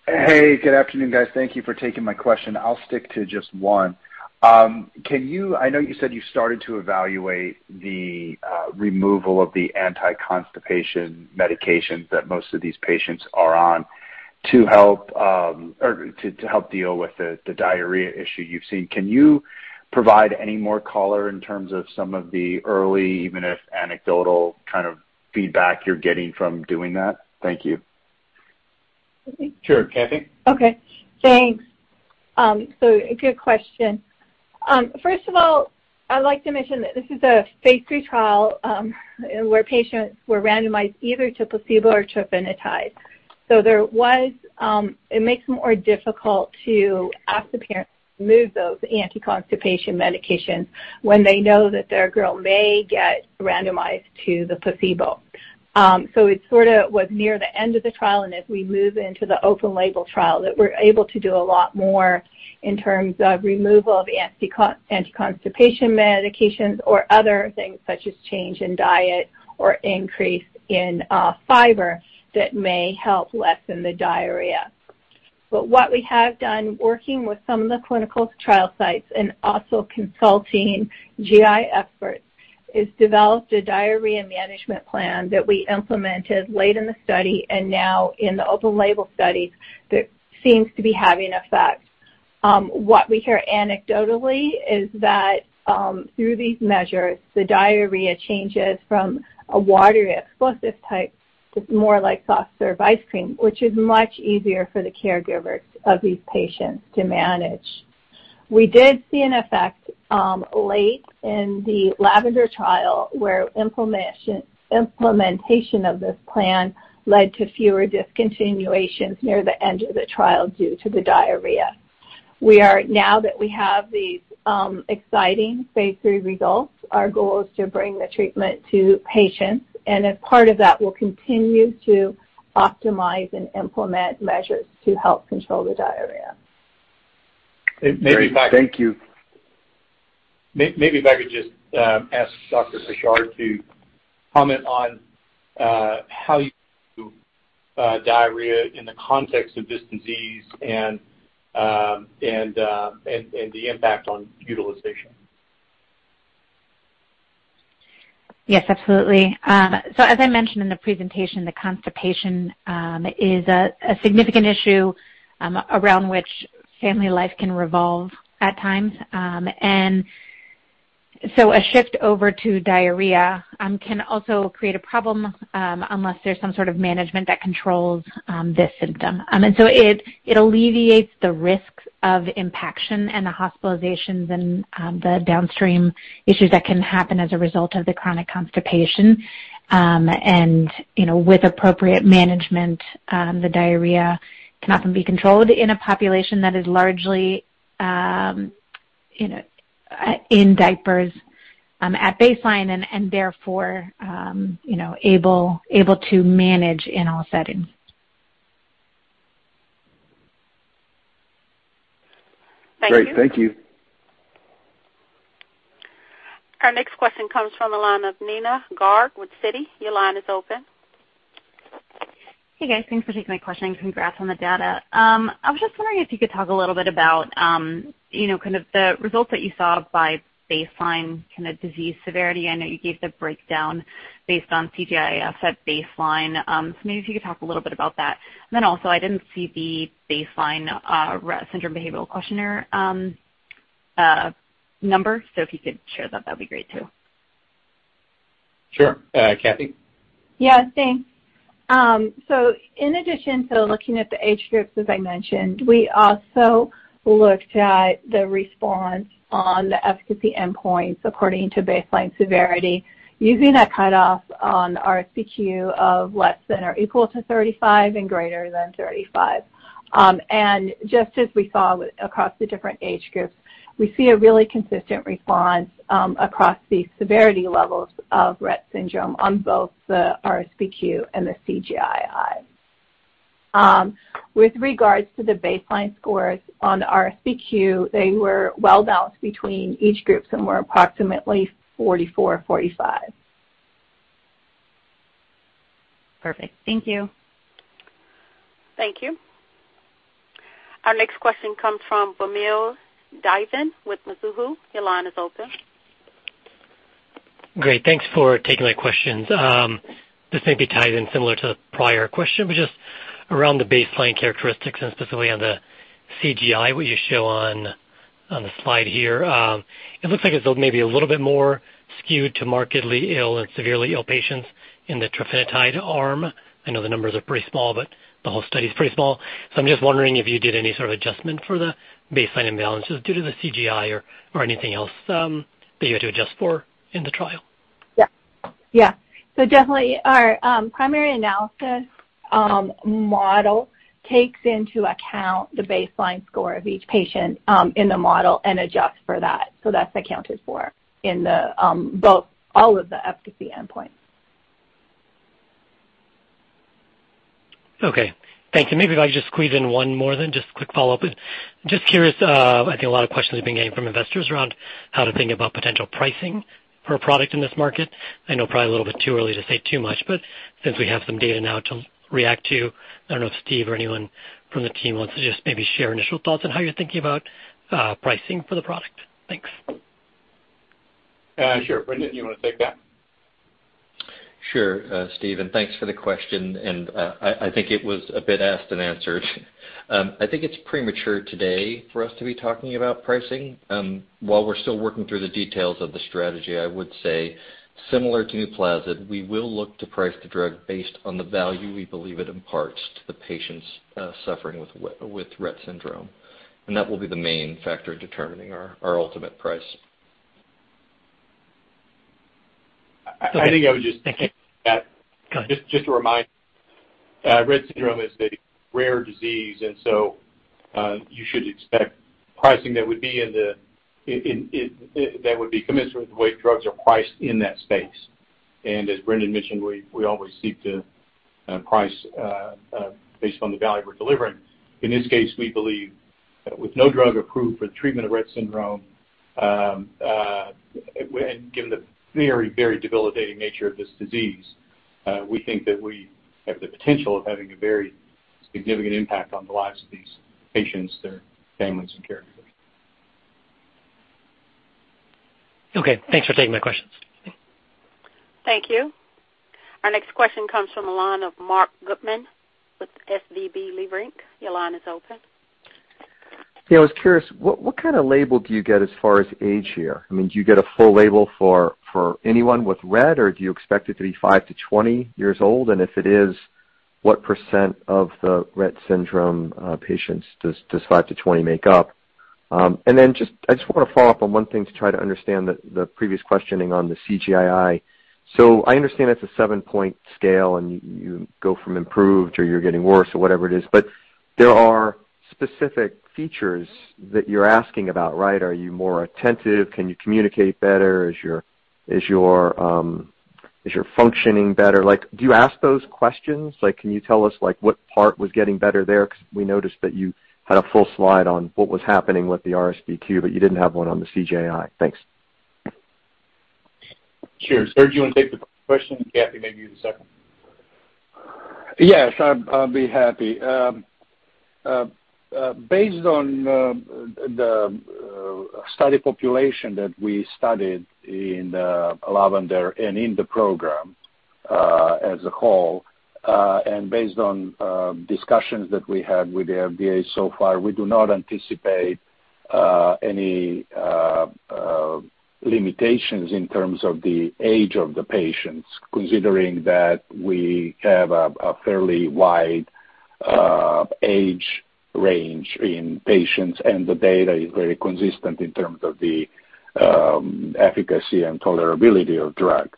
Hey. Good afternoon, guys. Thank you for taking my question. I'll stick to just one. Can you, I know you said you started to evaluate the removal of the anti-constipation medications that most of these patients are on to help or to help deal with the diarrhea issue you've seen. Can you provide any more color in terms of some of the early, even if anecdotal, kind of feedback you're getting from doing that? Thank you. Kathy? Sure. Kathie? Okay. Thanks. A good question. First of all, I'd like to mention that this is a phase III trial, where patients were randomized either to placebo or Trofinetide. It makes it more difficult to ask the parents to remove those anti-constipation medications when they know that their girl may get randomized to the placebo. It sort of was near the end of the trial and as we move into the open label trial, that we're able to do a lot more in terms of removal of anti-constipation medications or other things such as change in diet or increase in fiber that may help lessen the diarrhea. But what we have done working with some of the clinical trial sites and also consulting GI experts, is developed a diarrhea management plan that we implemented late in the study and now in the open label studies that seems to be having effect. What we hear anecdotally is that, through these measures, the diarrhea changes from a watery explosive type to more like soft serve ice cream, which is much easier for the caregivers of these patients to manage. We did see an effect late in the LAVENDER trial where implementation of this plan led to fewer discontinuations near the end of the trial due to the diarrhea. Now that we have these exciting phase III results, our goal is to bring the treatment to patients, and as part of that, we'll continue to optimize and implement measures to help control the diarrhea. Maybe if I could. Great. Thank you. Maybe if I could just ask Dr. Pichard to comment on how the diarrhea in the context of this disease and the impact on utilization. Yes, absolutely. As I mentioned in the presentation, the constipation is a significant issue around which family life can revolve at times. A shift over to diarrhea can also create a problem unless there's some sort of management that controls this symptom. It alleviates the risks of impaction and the hospitalizations and the downstream issues that can happen as a result of the chronic constipation. You know, with appropriate management, the diarrhea can often be controlled in a population that is largely, you know, in diapers at baseline and therefore, you know, able to manage in all settings. Thank you. Great. Thank you. Our next question comes from the line of Neena Bitritto-Garg with Citi. Your line is open. Hey, guys. Thanks for taking my question, and congrats on the data. I was just wondering if you could talk a little bit about, you know, kind of the results that you saw by baseline, kinda disease severity. I know you gave the breakdown based on CGI-I at baseline. Maybe if you could talk a little bit about that. I didn't see the baseline Rett Syndrome Behaviour Questionnaire number. If you could share that'd be great too. Sure. Kathie? Yeah. Thanks. In addition to looking at the age groups, as I mentioned, we also looked at the response on the efficacy endpoints according to baseline severity using a cutoff on RSBQ of less than or equal to 35 years and greater than 35 years. Just as we saw across the different age groups, we see a really consistent response across the severity levels of Rett syndrome on both the RSBQ and the CGI-I. With regards to the baseline scores on RSBQ, they were well balanced between each group and were approximately 44 years, 45 years. Perfect. Thank you. Thank you. Our next question comes from Vamil Divan with Mizuho. Your line is open. Great. Thanks for taking my questions. This may be tied in similar to a prior question, but just around the baseline characteristics and specifically on the CGI, what you show on the slide here. It looks like it's maybe a little bit more skewed to markedly ill and severely ill patients in the Trofinetide arm. I know the numbers are pretty small, but the whole study is pretty small. I'm just wondering if you did any sort of adjustment for the baseline imbalances due to the CGI or anything else that you had to adjust for in the trial. Yeah. Definitely our primary analysis model takes into account the baseline score of each patient in the model and adjusts for that. That's accounted for in both all of the efficacy endpoints. Okay. Thanks. Maybe if I could just squeeze in one more then, just a quick follow-up. Just curious, I think a lot of questions are being gleaned from investors around how to think about potential pricing for a product in this market. I know probably a little bit too early to say too much, but since we have some data now to react to, I don't know if Steve or anyone from the team wants to just maybe share initial thoughts on how you're thinking about, pricing for the product. Thanks. Sure. Brendan, do you wanna take that? Sure, Steve, and thanks for the question. I think it was a bit asked and answered. I think it's premature today for us to be talking about pricing while we're still working through the details of the strategy. I would say similar to NUPLAZID, we will look to price the drug based on the value we believe it imparts to the patients suffering with Rett syndrome, and that will be the main factor determining our ultimate price. I think I would just that. Go ahead. Just a reminder, Rett syndrome is a rare disease, and so you should expect pricing that would be commensurate with the way drugs are priced in that space. As Brendan mentioned, we always seek to price based on the value we're delivering. In this case, we believe with no drug approved for the treatment of Rett syndrome, and given the very, very debilitating nature of this disease, we think that we have the potential of having a very significant impact on the lives of these patients, their families, and caregivers. Okay. Thanks for taking my questions. Thank you. Our next question comes from the line of Marc Goodman with SVB Leerink. Your line is open. Yeah, I was curious, what kind of label do you get as far as age here? I mean, do you get a full label for anyone with Rett, or do you expect it to be five to 20 years old? If it is, what percent of the Rett syndrome patients does five to 20 years make up? I just wanna follow up on one thing to try to understand the previous questioning on the CGI-I. I understand it's a 7-point scale, and you go from improved or you're getting worse or whatever it is. There are specific features that you're asking about, right? Are you more attentive? Can you communicate better? Is your functioning better? Like, do you ask those questions? Like, can you tell us, like, what part was getting better there? 'Cause we noticed that you had a full slide on what was happening with the RSBQ, but you didn't have one on the CGI-I. Thanks. Sure. Serge, do you wanna take the question? Kathie, maybe you the second. Yes. I'd be happy. Based on the study population that we studied in the LAVENDER and in the program as a whole and based on discussions that we had with the FDA so far, we do not anticipate any limitations in terms of the age of the patients, considering that we have a fairly wide age range in patients and the data is very consistent in terms of the efficacy and tolerability of drug.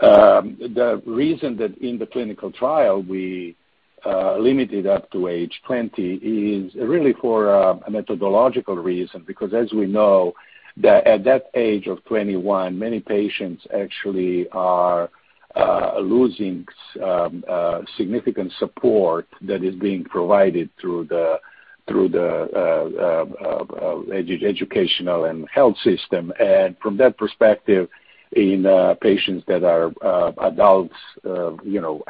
The reason that in the clinical trial we limited up to age 20 years is really for a methodological reason because as we know that at that age of 21 years, many patients actually are losing significant support that is being provided through the educational and health system. From that perspective, in patients that are adults, you know,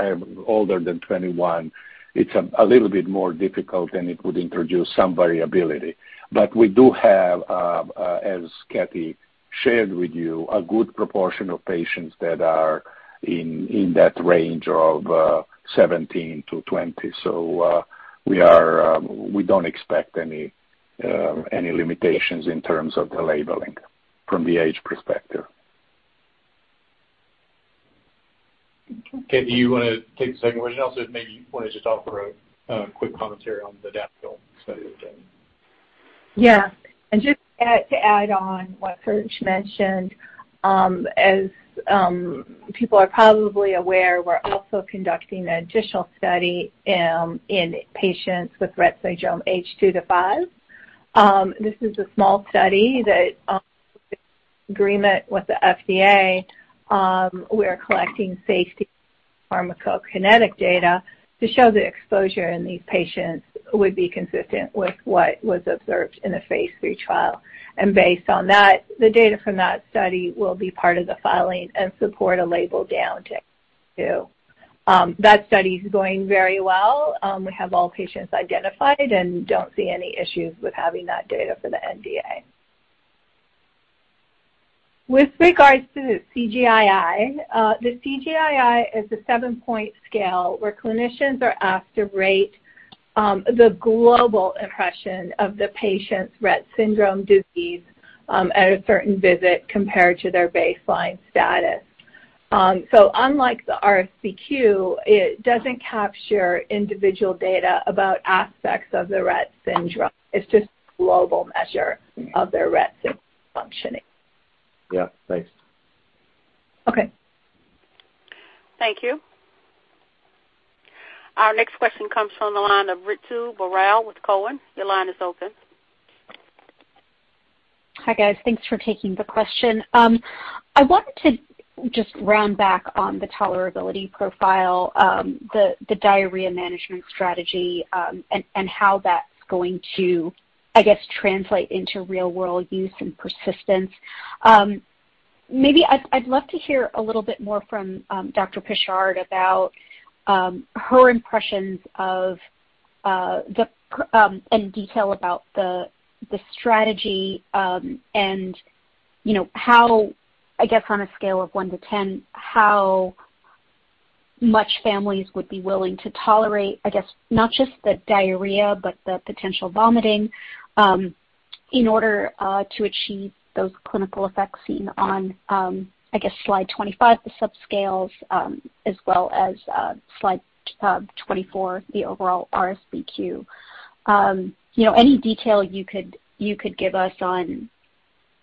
older than 21 years, it's a little bit more difficult and it would introduce some variability. We do have, as Kathie shared with you, a good proportion of patients that are in that range of 17-20 years. We don't expect any limitations in terms of the labeling from the age perspective. Kathie, you wanna take the second question also, maybe you wanna just offer a quick commentary on the data. Just to add on what Serge mentioned, as people are probably aware, we're also conducting an additional study in patients with Rett syndrome aged two years to five years. This is a small study that, in agreement with the FDA, we are collecting safety pharmacokinetic data to show the exposure in these patients would be consistent with what was observed in a phase III trial. Based on that, the data from that study will be part of the filing and support a label down to 2 years. That study is going very well. We have all patients identified and don't see any issues with having that data for the NDA. With regards to the CGI-I, the CGI-I is a 7-point scale where clinicians are asked to rate the global impression of the patient's Rett syndrome disease at a certain visit compared to their baseline status. Unlike the RSBQ, it doesn't capture individual data about aspects of the Rett syndrome. It's just global measure of their Rett syndrome functioning. Yeah. Thanks. Okay. Thank you. Our next question comes from the line of Ritu Baral with Cowen. Your line is open. Hi, guys. Thanks for taking the question. I wanted to just round back on the tolerability profile, the diarrhea management strategy, and how that's going to, I guess, translate into real-world use and persistence. Maybe I'd love to hear a little bit more from Dr. Pichard about her impressions of and detail about the strategy, and you know, how, I guess, on a scale of one year to 10 years, how much families would be willing to tolerate, I guess, not just the diarrhea, but the potential vomiting, in order to achieve those clinical effects seen on, I guess, slide 25, the subscales, as well as slide 24, the overall RSBQ. You know, any detail you could give us on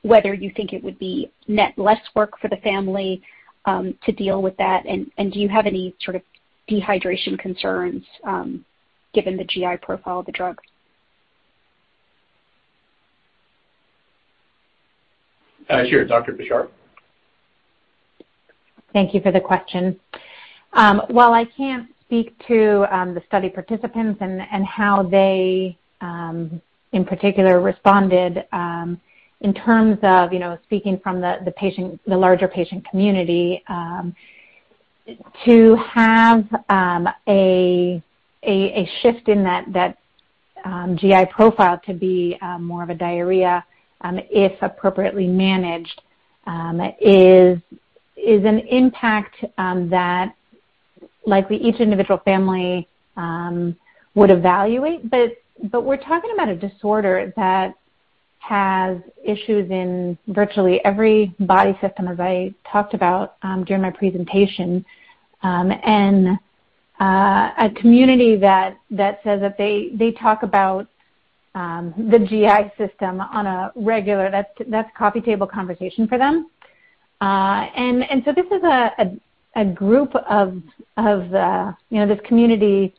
whether you think it would be net less work for the family to deal with that, and do you have any sort of dehydration concerns given the GI profile of the drug? Sure. Dr. Pichard. Thank you for the question. While I can't speak to the study participants and how they in particular responded, in terms of, you know, speaking from the patient, the larger patient community, to have a shift in that GI profile to be more of a diarrhea, if appropriately managed, is an impact that likely each individual family would evaluate. We're talking about a disorder that has issues in virtually every body system, as I talked about during my presentation, and a community that says that they talk about the GI system on a regular. That's coffee table conversation for them. This is a group of, you know, this community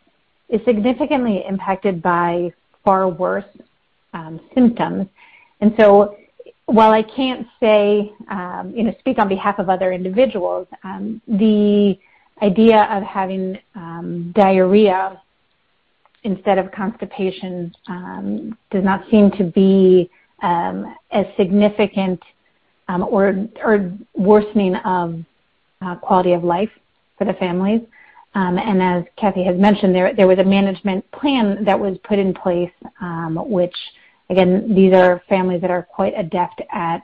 is significantly impacted by far worse symptoms. While I can't say, you know, speak on behalf of other individuals, the idea of having diarrhea instead of constipation does not seem to be as significant or worsening of quality of life for the families. As Kathie has mentioned, there was a management plan that was put in place, which again, these are families that are quite adept at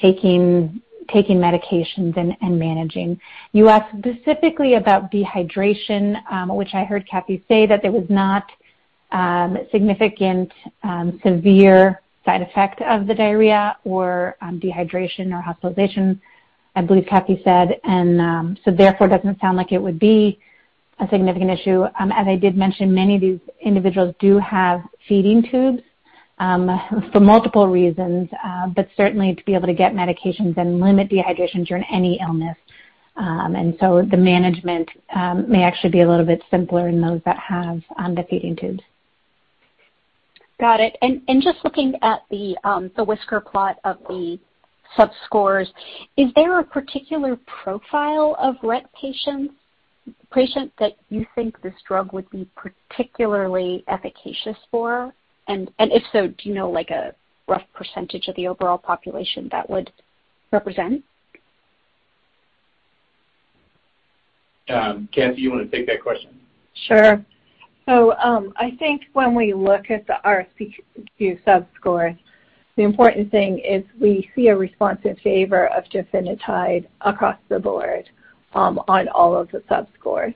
taking medications and managing. You asked specifically about dehydration, which I heard Kathie say that there was not significant severe side effect of the diarrhea or dehydration or hospitalization, I believe Kathie said, and so therefore doesn't sound like it would be a significant issue. As I did mention, many of these individuals do have feeding tubes for multiple reasons, but certainly to be able to get medications and limit dehydration during any illness. The management may actually be a little bit simpler in those that have the feeding tubes. Got it. Just looking at the whisker plot of the subscores, is there a particular profile of Rett patient that you think this drug would be particularly efficacious for? If so, do you know, like, a rough percentage of the overall population that would represent? Kathie, you wanna take that question? Sure. I think when we look at the RSBQ subscores, the important thing is we see a response in favor of Trofinetide across the board, on all of the subscores.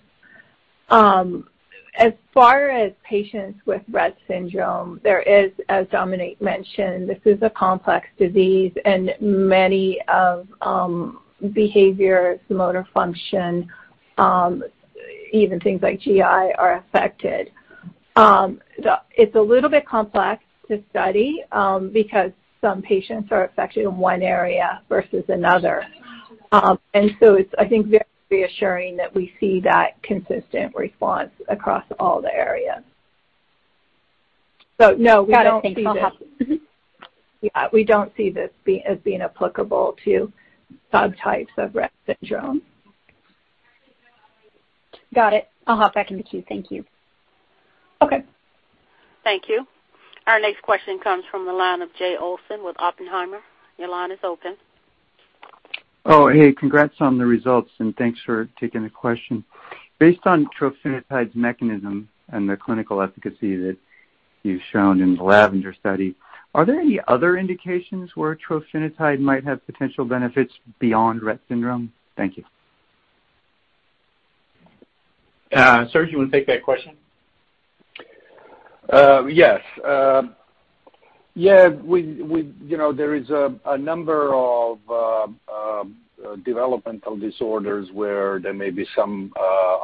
As far as patients with Rett syndrome, there is, as Dominique mentioned, this is a complex disease and many of behavior, motor function, even things like GI are affected. It's a little bit complex to study, because some patients are affected in one area versus another. It's, I think, very reassuring that we see that consistent response across all the areas. No, we don't see this. Got it. Thank you. Yeah, we don't see this as being applicable to subtypes of Rett syndrome. Got it. I'll hop back in the queue. Thank you. Okay. Thank you. Our next question comes from the line of Jay Olson with Oppenheimer. Your line is open. Oh, hey, congrats on the results, and thanks for taking the question. Based on Trofinetide's mechanism and the clinical efficacy that you've shown in the LAVENDER study, are there any other indications where Trofinetide might have potential benefits beyond Rett syndrome? Thank you. Serge, you wanna take that question? Yes. Yeah, we you know, there is a number of developmental disorders where there may be some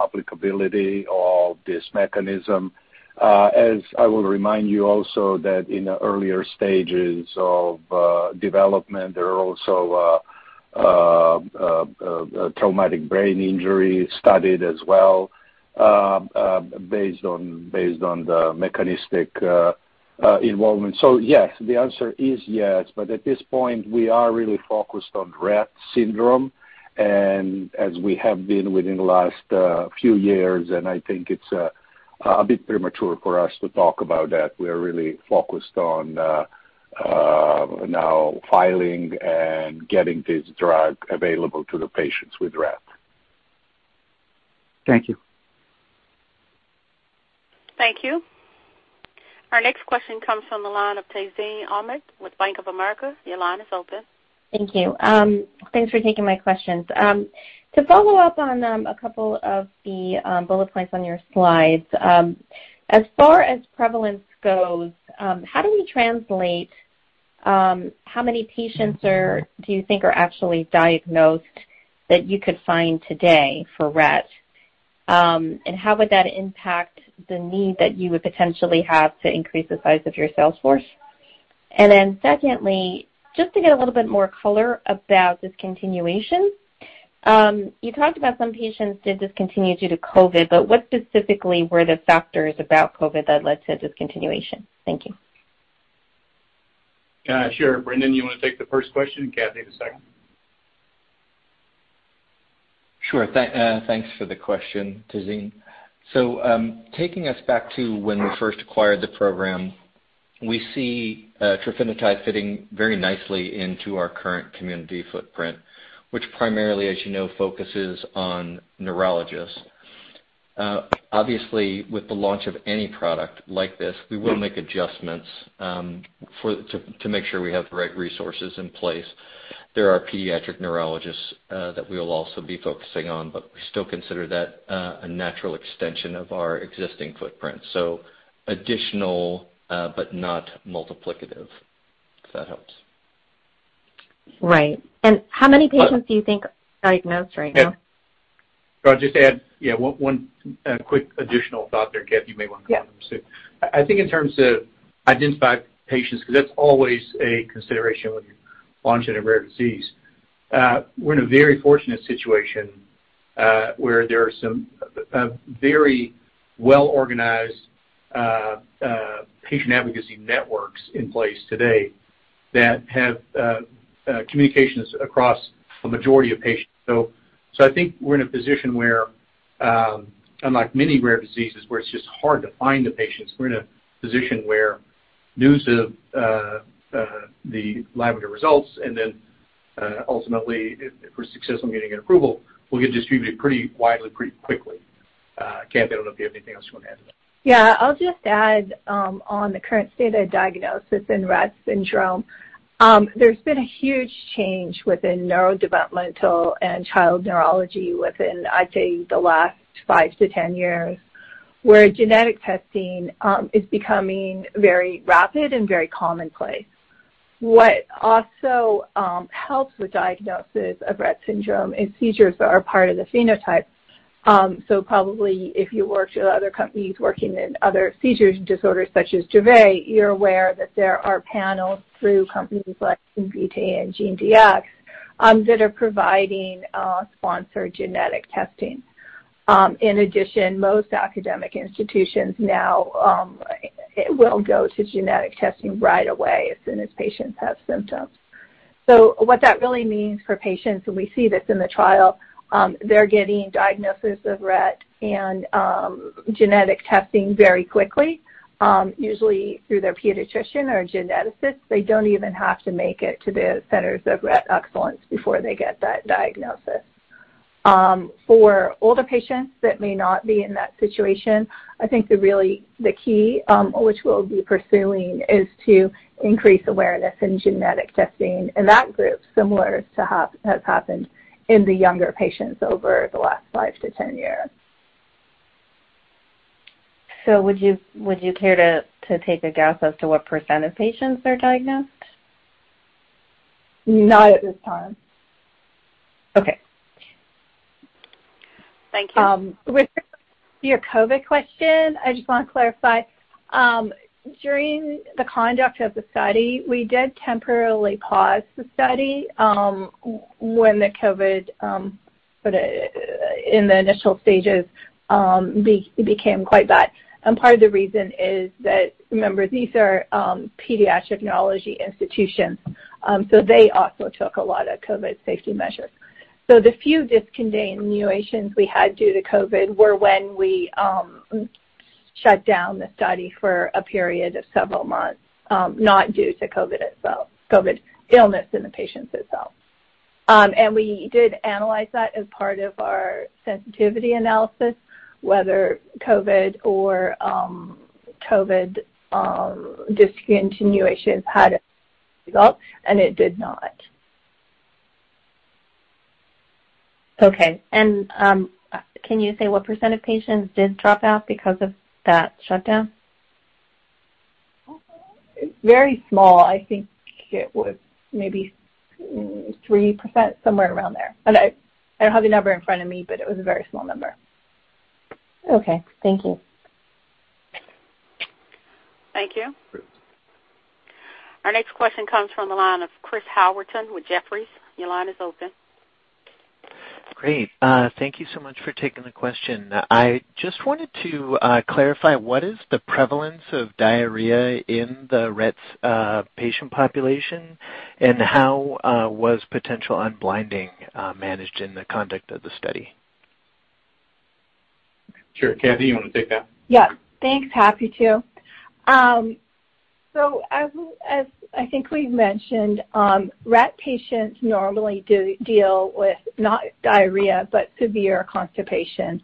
applicability of this mechanism. As I will remind you also that in the earlier stages of development, there are also a traumatic brain injury study as well, based on the mechanistic involvement. Yes, the answer is yes. At this point, we are really focused on Rett syndrome and as we have been within the last few years, and I think it's a bit premature for us to talk about that. We are really focused on now filing and getting this drug available to the patients with Rett. Thank you. Thank you. Our next question comes from the line of Tazeen Ahmad with Bank of America. Your line is open. Thank you. Thanks for taking my questions. To follow up on a couple of the bullet points on your slides, as far as prevalence goes, how do we translate how many patients do you think are actually diagnosed that you could find today for Rett? And how would that impact the need that you would potentially have to increase the size of your sales force? Then secondly, just to get a little bit more color about discontinuation, you talked about some patients did discontinue due to COVID, but what specifically were the factors about COVID that led to discontinuation? Thank you. Sure. Brendan, you wanna take the first question and Kathie, the second? Sure. Thanks for the question, Tazeen. Taking us back to when we first acquired the program. We see Trofinetide fitting very nicely into our current community footprint, which primarily, as you know, focuses on neurologists. Obviously, with the launch of any product like this, we will make adjustments to make sure we have the right resources in place. There are pediatric neurologists that we will also be focusing on, but we still consider that a natural extension of our existing footprint, so additional but not multiplicative, if that helps. Right. And how many patients do you think are diagnosed right now? I'll just add, yeah, one quick additional thought there, Kathie. You may want to comment too. Yeah. I think in terms of identified patients, 'cause that's always a consideration when you're launching a rare disease, we're in a very fortunate situation, where there are some very well-organized patient advocacy networks in place today that have communications across a majority of patients. So I think we're in a position where, unlike many rare diseases where it's just hard to find the patients, we're in a position where news of the laboratory results and then ultimately if we're successful in getting an approval, will get distributed pretty widely pretty quickly. Kathie, I don't know if you have anything else you want to add to that. Yeah. I'll just add on the current state of diagnosis in Rett syndrome, there's been a huge change within neurodevelopmental and child neurology within, I'd say, the last five to 10 years, where genetic testing is becoming very rapid and very commonplace. What also helps with diagnosis of Rett syndrome is seizures that are part of the phenotype. So probably if you worked with other companies working in other seizure disorders such as Dravet, you're aware that there are panels through companies like Invitae and GeneDx that are providing sponsored genetic testing. In addition, most academic institutions now will go to genetic testing right away as soon as patients have symptoms. What that really means for patients, and we see this in the trial, they're getting diagnosis of Rett and, genetic testing very quickly, usually through their pediatrician or a geneticist. They don't even have to make it to the centers of Rett excellence before they get that diagnosis. For older patients that may not be in that situation, I think the key, which we'll be pursuing is to increase awareness in genetic testing in that group similar to has happened in the younger patients over the last five to 10 years. Would you care to take a guess as to what percent of patients are diagnosed? Not at this time. Okay. Thank you. With your COVID question, I just want to clarify. During the conduct of the study, we did temporarily pause the study when the COVID sort of in the initial stages became quite bad. Part of the reason is that, remember, these are pediatric neurology institutions, so they also took a lot of COVID safety measures. The few discontinuations we had due to COVID were when we shut down the study for a period of several months, not due to COVID itself, COVID illness in the patients itself. We did analyze that as part of our sensitivity analysis, whether COVID or COVID discontinuations had results, and it did not. Can you say what percent of patients did drop out because of that shutdown? Very small. I think it was maybe 3%, somewhere around there. I don't have the number in front of me, but it was a very small number. Okay. Thank you. Thank you. Our next question comes from the line of Chris Howerton with Jefferies. Your line is open. Great. Thank you so much for taking the question. I just wanted to clarify what is the prevalence of diarrhea in the Rett syndrome patient population, and how was potential unblinding managed in the conduct of the study? Sure. Kathie, you wanna take that? Yeah. Thanks. Happy to. As I think we've mentioned, Rett patients normally do deal with not diarrhea, but severe constipation.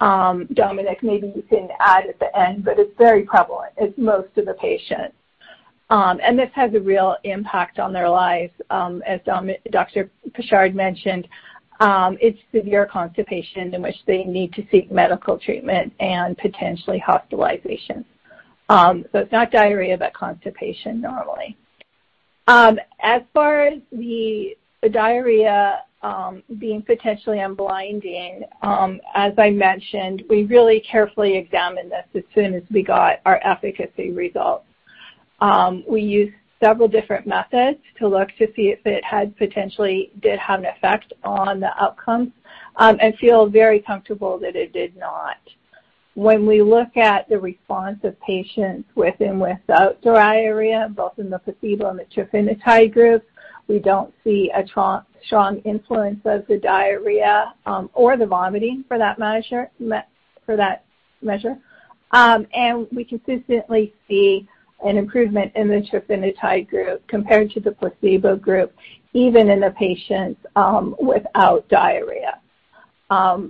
Dominique, maybe you can add at the end, but it's very prevalent in most of the patients. And this has a real impact on their lives. As Dr. Pichard mentioned, it's severe constipation in which they need to seek medical treatment and potentially hospitalization. It's not diarrhea, but constipation normally. As far as the diarrhea being potentially unblinding, as I mentioned, we really carefully examined this as soon as we got our efficacy results. We used several different methods to look to see if it had potentially did have an effect on the outcomes, and feel very comfortable that it did not. When we look at the response of patients with and without diarrhea, both in the placebo and the Trofinetide group. We don't see a strong influence of the diarrhea or the vomiting for that measure, for that measure. We consistently see an improvement in the Trofinetide group compared to the placebo group, even in the patients without diarrhea.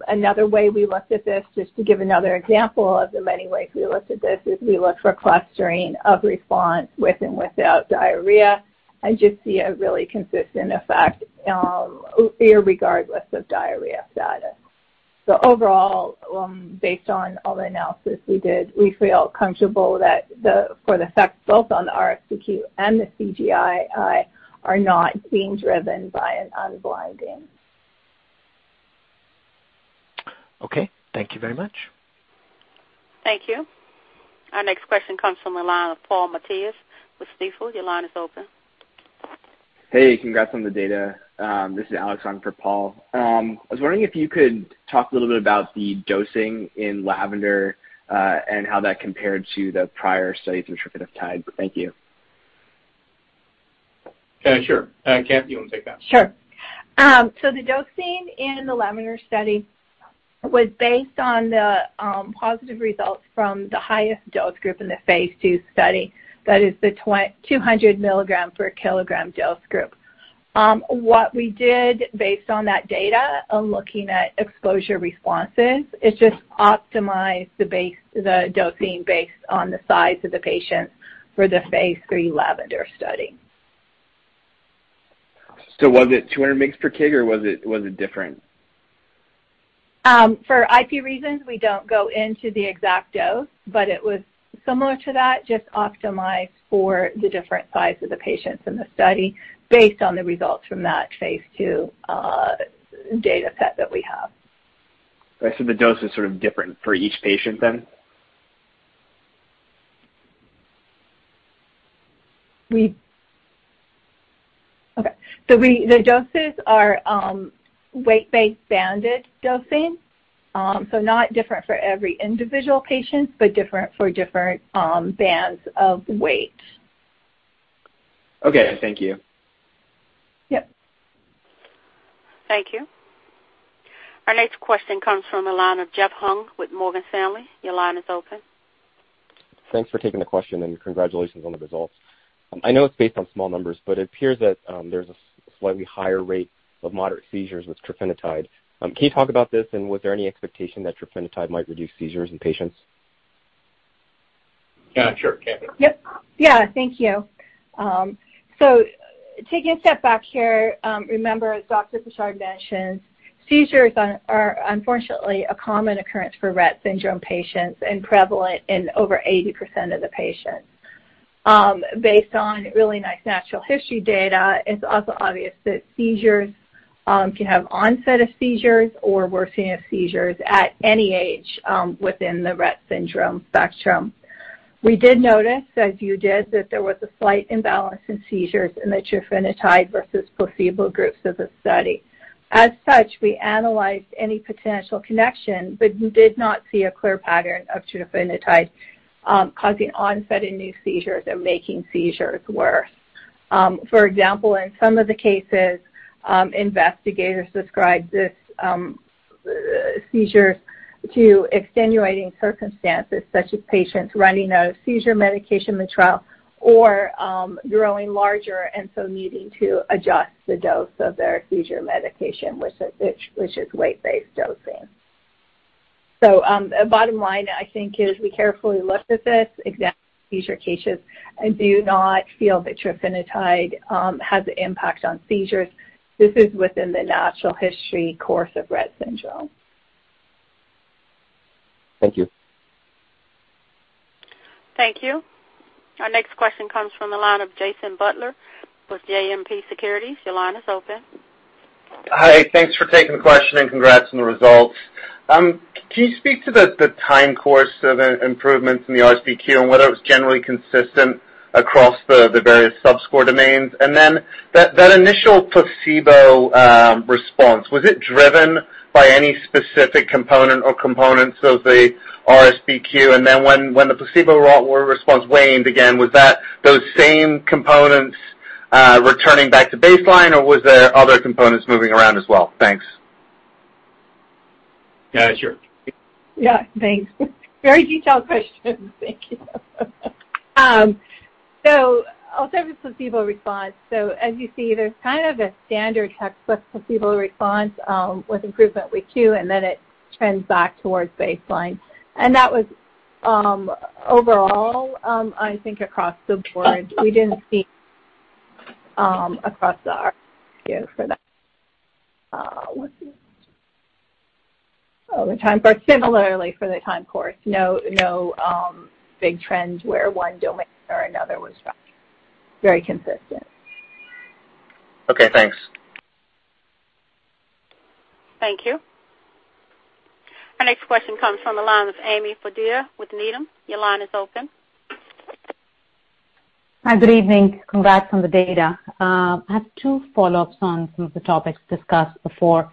Another way we looked at this, just to give another example of the many ways we looked at this, is we looked for clustering of response with and without diarrhea and we just see a really consistent effect, irregardless of diarrhea status. Overall, based on all the analysis we did, we feel comfortable that the effects both on the RSBQ and the CGI are not being driven by an unblinding. Okay. Thank you very much. Thank you. Our next question comes from the line of Paul Matteis with Stifel. Your line is open. Hey, congrats on the data. This is Alex on for Paul. I was wondering if you could talk a little bit about the dosing in LAVENDER, and how that compared to the prior studies with Trofinetide. Thank you. Sure. Kath, do you want to take that? Sure. The dosing in the LAVENDER study was based on the positive results from the highest dose group in the phase II study. That is the 200 mg/kg dose group. What we did based on that data, looking at exposure responses, is just optimize the dosing based on the size of the patients for the phase III LAVENDER study. Was it 200 mg per kg, or was it different? For IP reasons, we don't go into the exact dose, but it was similar to that, just optimized for the different size of the patients in the study based on the results from that phase II data set that we have. The dose is sort of different for each patient then? The doses are weight-based banded dosing. Not different for every individual patient, but different for different bands of weight. Okay. Thank you. Yep. Thank you. Our next question comes from the line of Jeff Hung with Morgan Stanley. Your line is open. Thanks for taking the question and congratulations on the results. I know it's based on small numbers, but it appears that there's a slightly higher rate of moderate seizures with Trofinetide. Can you talk about this, and was there any expectation that Trofinetide might reduce seizures in patients? Yeah, sure. Kathie. Yep. Yeah, thank you. So taking a step back here, remember, as Dr. Pichard mentioned, seizures are unfortunately a common occurrence for Rett syndrome patients and prevalent in over 80% of the patients. Based on really nice natural history data, it's also obvious that seizures can have onset of seizures or worsening of seizures at any age within the Rett syndrome spectrum. We did notice, as you did, that there was a slight imbalance in seizures in the Trofinetide versus placebo groups of the study. As such, we analyzed any potential connection, but we did not see a clear pattern of Trofinetide causing onset in new seizures or making seizures worse. For example, in some of the cases, investigators described these seizures to extenuating circumstances, such as patients running out of seizure medication in the trial or growing larger and so needing to adjust the dose of their seizure medication, which is weight-based dosing. Bottom line I think is we carefully looked at this, examined seizure cases, and do not feel that Trofinetide has an impact on seizures. This is within the natural history of Rett syndrome. Thank you. Thank you. Our next question comes from the line of Jason Butler with JMP Securities. Your line is open. Hi. Thanks for taking the question and congrats on the results. Can you speak to the time course of improvements in the RSBQ and whether it was generally consistent across the various subscore domains? That initial placebo response, was it driven by any specific component or components of the RSBQ? When the placebo response waned again, was that those same components returning back to baseline, or was there other components moving around as well? Thanks. Yeah, sure. Yeah. Thanks. Very detailed questions. Thank you. I'll start with placebo response. As you see, there's kind of a standard textbook placebo response, with improvement week two, and then it trends back towards baseline. That was, overall, I think across the board, we didn't see, across the RSBQ for that. Similarly for the time course, no big trends where one domain or another was found. Very consistent. Okay, thanks. Thank you. Our next question comes from the line of Ami Fadia with Needham. Your line is open. Hi. Good evening. Congrats on the data. I have two follow-ups on some of the topics discussed before.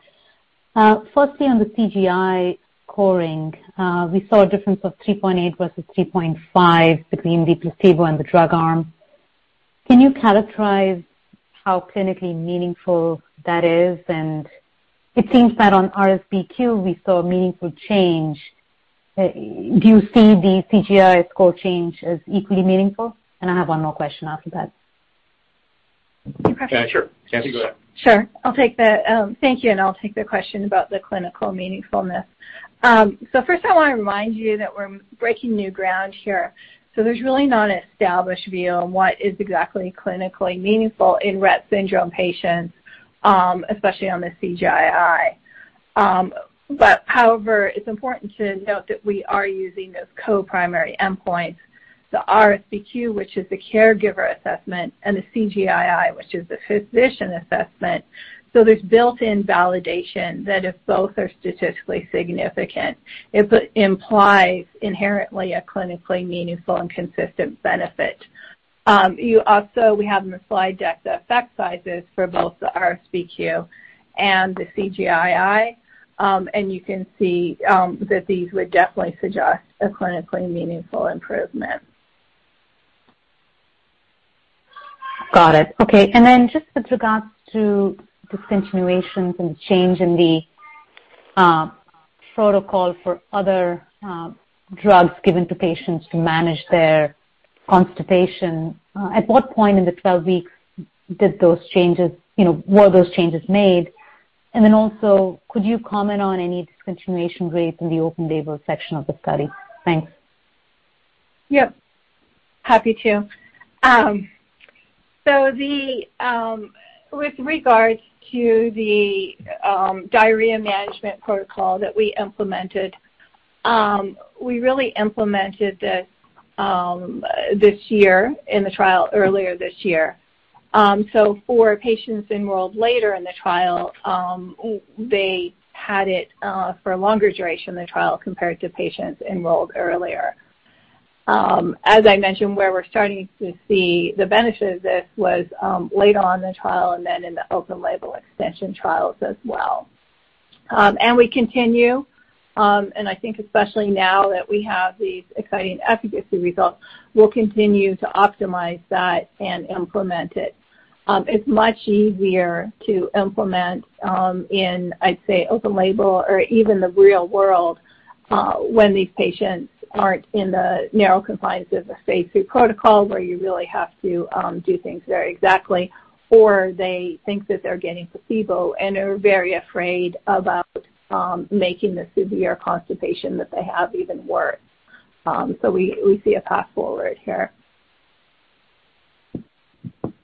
Firstly, on the CGI scoring, we saw a difference of 3.8 versus 3.5 between the placebo and the drug arm. Can you characterize how clinically meaningful that is? It seems that on RSBQ we saw meaningful change. Do you see the CGI score change as equally meaningful? I have one more question after that. Yeah, sure. Kathie, go ahead. Sure. Thank you, and I'll take the question about the clinical meaningfulness. First, I want to remind you that we're breaking new ground here. There's really not an established view on what is exactly clinically meaningful in Rett syndrome patients, especially on the CGI-I. However, it's important to note that we are using those co-primary endpoints, the RSBQ, which is the caregiver assessment, and the CGI-I, which is the physician assessment. There's built-in validation that if both are statistically significant, it implies inherently a clinically meaningful and consistent benefit. We have in the slide deck the effect sizes for both the RSBQ and the CGI-I, and you can see that these would definitely suggest a clinically meaningful improvement. Got it. Okay. Just with regards to discontinuations and change in the protocol for other drugs given to patients to manage their constipation. At what point in the 12 weeks did those changes, you know, were those changes made? Could you comment on any discontinuation rates in the open label section of the study? Thanks. Yep, happy to. With regards to the diarrhea management protocol that we implemented, we really implemented this year in the trial earlier this year. For patients enrolled later in the trial, they had it for a longer duration in the trial compared to patients enrolled earlier. As I mentioned, where we're starting to see the benefits of this was later on in the trial and then in the open label extension trials as well. We continue, and I think especially now that we have these exciting efficacy results, we'll continue to optimize that and implement it. It's much easier to implement, I'd say, open label or even the real world, when these patients aren't in the narrow confines of a phase II protocol where you really have to do things very exactly or they think that they're getting placebo and are very afraid about making the severe constipation that they have even worse. We see a path forward here.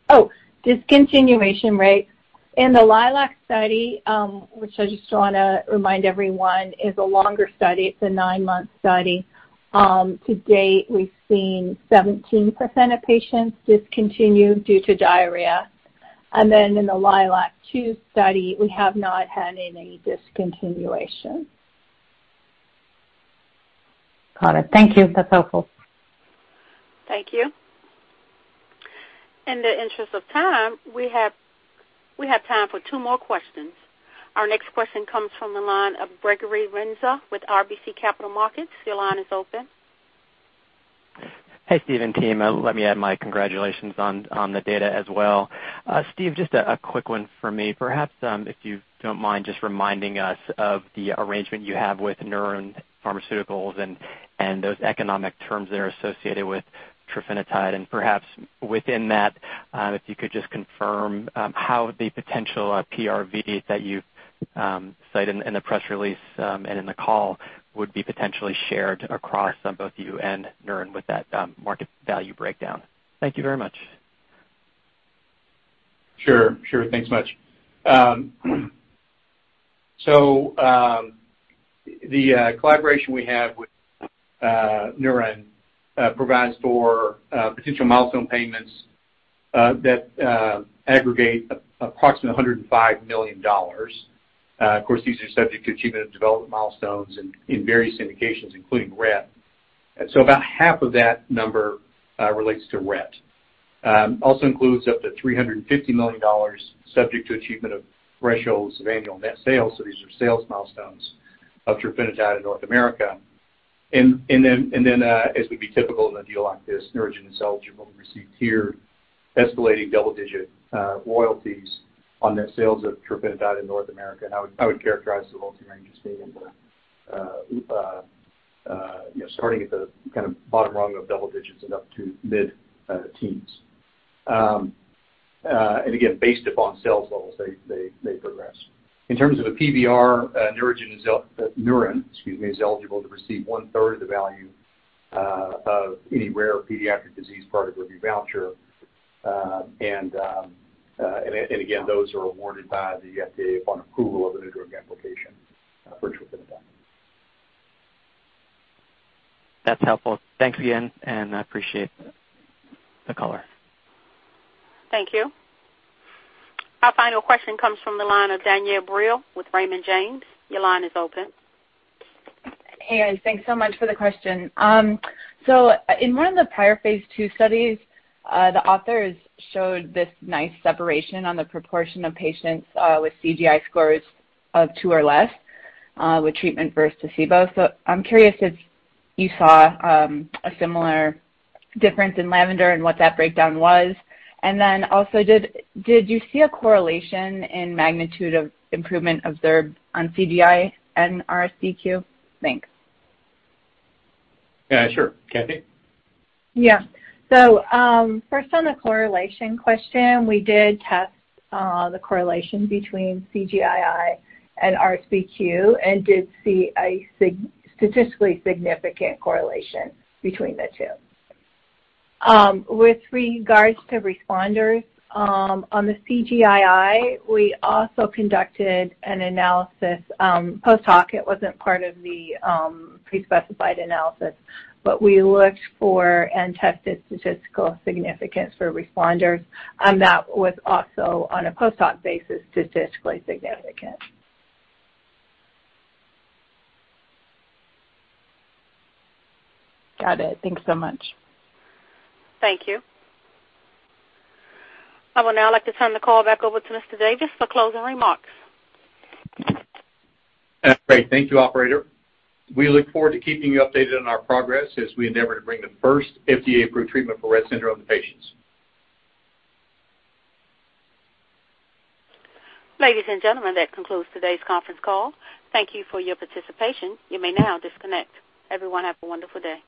Oh, discontinuation rates. In the LILAC study, which I just wanna remind everyone is a longer study. It's a nine-month study. To date, we've seen 17% of patients discontinue due to diarrhea. In the LILAC-2 study, we have not had any discontinuation. Got it. Thank you. That's helpful. Thank you. In the interest of time, we have time for two more questions. Our next question comes from the line of Gregory Renza with RBC Capital Markets. Your line is open. Hey, Steve and team. Let me add my congratulations on the data as well. Steve, just a quick one for me. Perhaps, if you don't mind just reminding us of the arrangement you have with Neuren Pharmaceuticals and those economic terms that are associated with Trofinetide. Perhaps within that, if you could just confirm how the potential PRV that you cite in the press release and in the call would be potentially shared across both you and Neuren with that market value breakdown. Thank you very much. Sure, sure. Thanks much. The collaboration we have with Neuren provides for potential milestone payments that aggregate approximately $105 million. Of course, these are subject to achievement of development milestones in various indications, including Rett. About half of that number relates to Rett. Also includes up to $350 million subject to achievement of thresholds of annual net sales. These are sales milestones of Trofinetide in North America. Then, as would be typical in a deal like this, Neuren is eligible to receive tier escalating double-digit royalties on net sales of Trofinetide in North America. I would characterize the royalty range as being in the, you know, starting at the kind of bottom rung of double digits and up to mid teens. Again, based upon sales levels, they progress. In terms of a PRV, Neuren, excuse me, is eligible to receive one-third of the value of any rare pediatric disease priority review voucher. Again, those are awarded by the FDA upon approval of a New Drug Application for Trofinetide. That's helpful. Thanks again, and I appreciate the color. Thank you. Our final question comes from the line of Danielle Brill with Raymond James. Your line is open. Hey, thanks so much for the question. In one of the prior phase II studies, the authors showed this nice separation on the proportion of patients with CGI scores of two or less with treatment versus placebo. I'm curious if you saw a similar difference in LAVENDER and what that breakdown was. Then also, did you see a correlation in magnitude of improvement observed on CGI and RSBQ? Thanks. Yeah, sure. Kathie? Yeah. First on the correlation question, we did test the correlation between CGI-I and RSBQ and did see a statistically significant correlation between the two. With regards to responders, on the CGI-I, we also conducted an analysis post hoc. It wasn't part of the pre-specified analysis, but we looked for and tested statistical significance for responders. That was also on a post hoc basis, statistically significant. Got it. Thanks so much. Thank you. I would now like to turn the call back over to Mr. Davis for closing remarks. Great. Thank you, operator. We look forward to keeping you updated on our progress as we endeavor to bring the first FDA-approved treatment for Rett syndrome patients. Ladies and gentlemen, that concludes today's conference call. Thank you for your participation. You may now disconnect. Everyone have a wonderful day.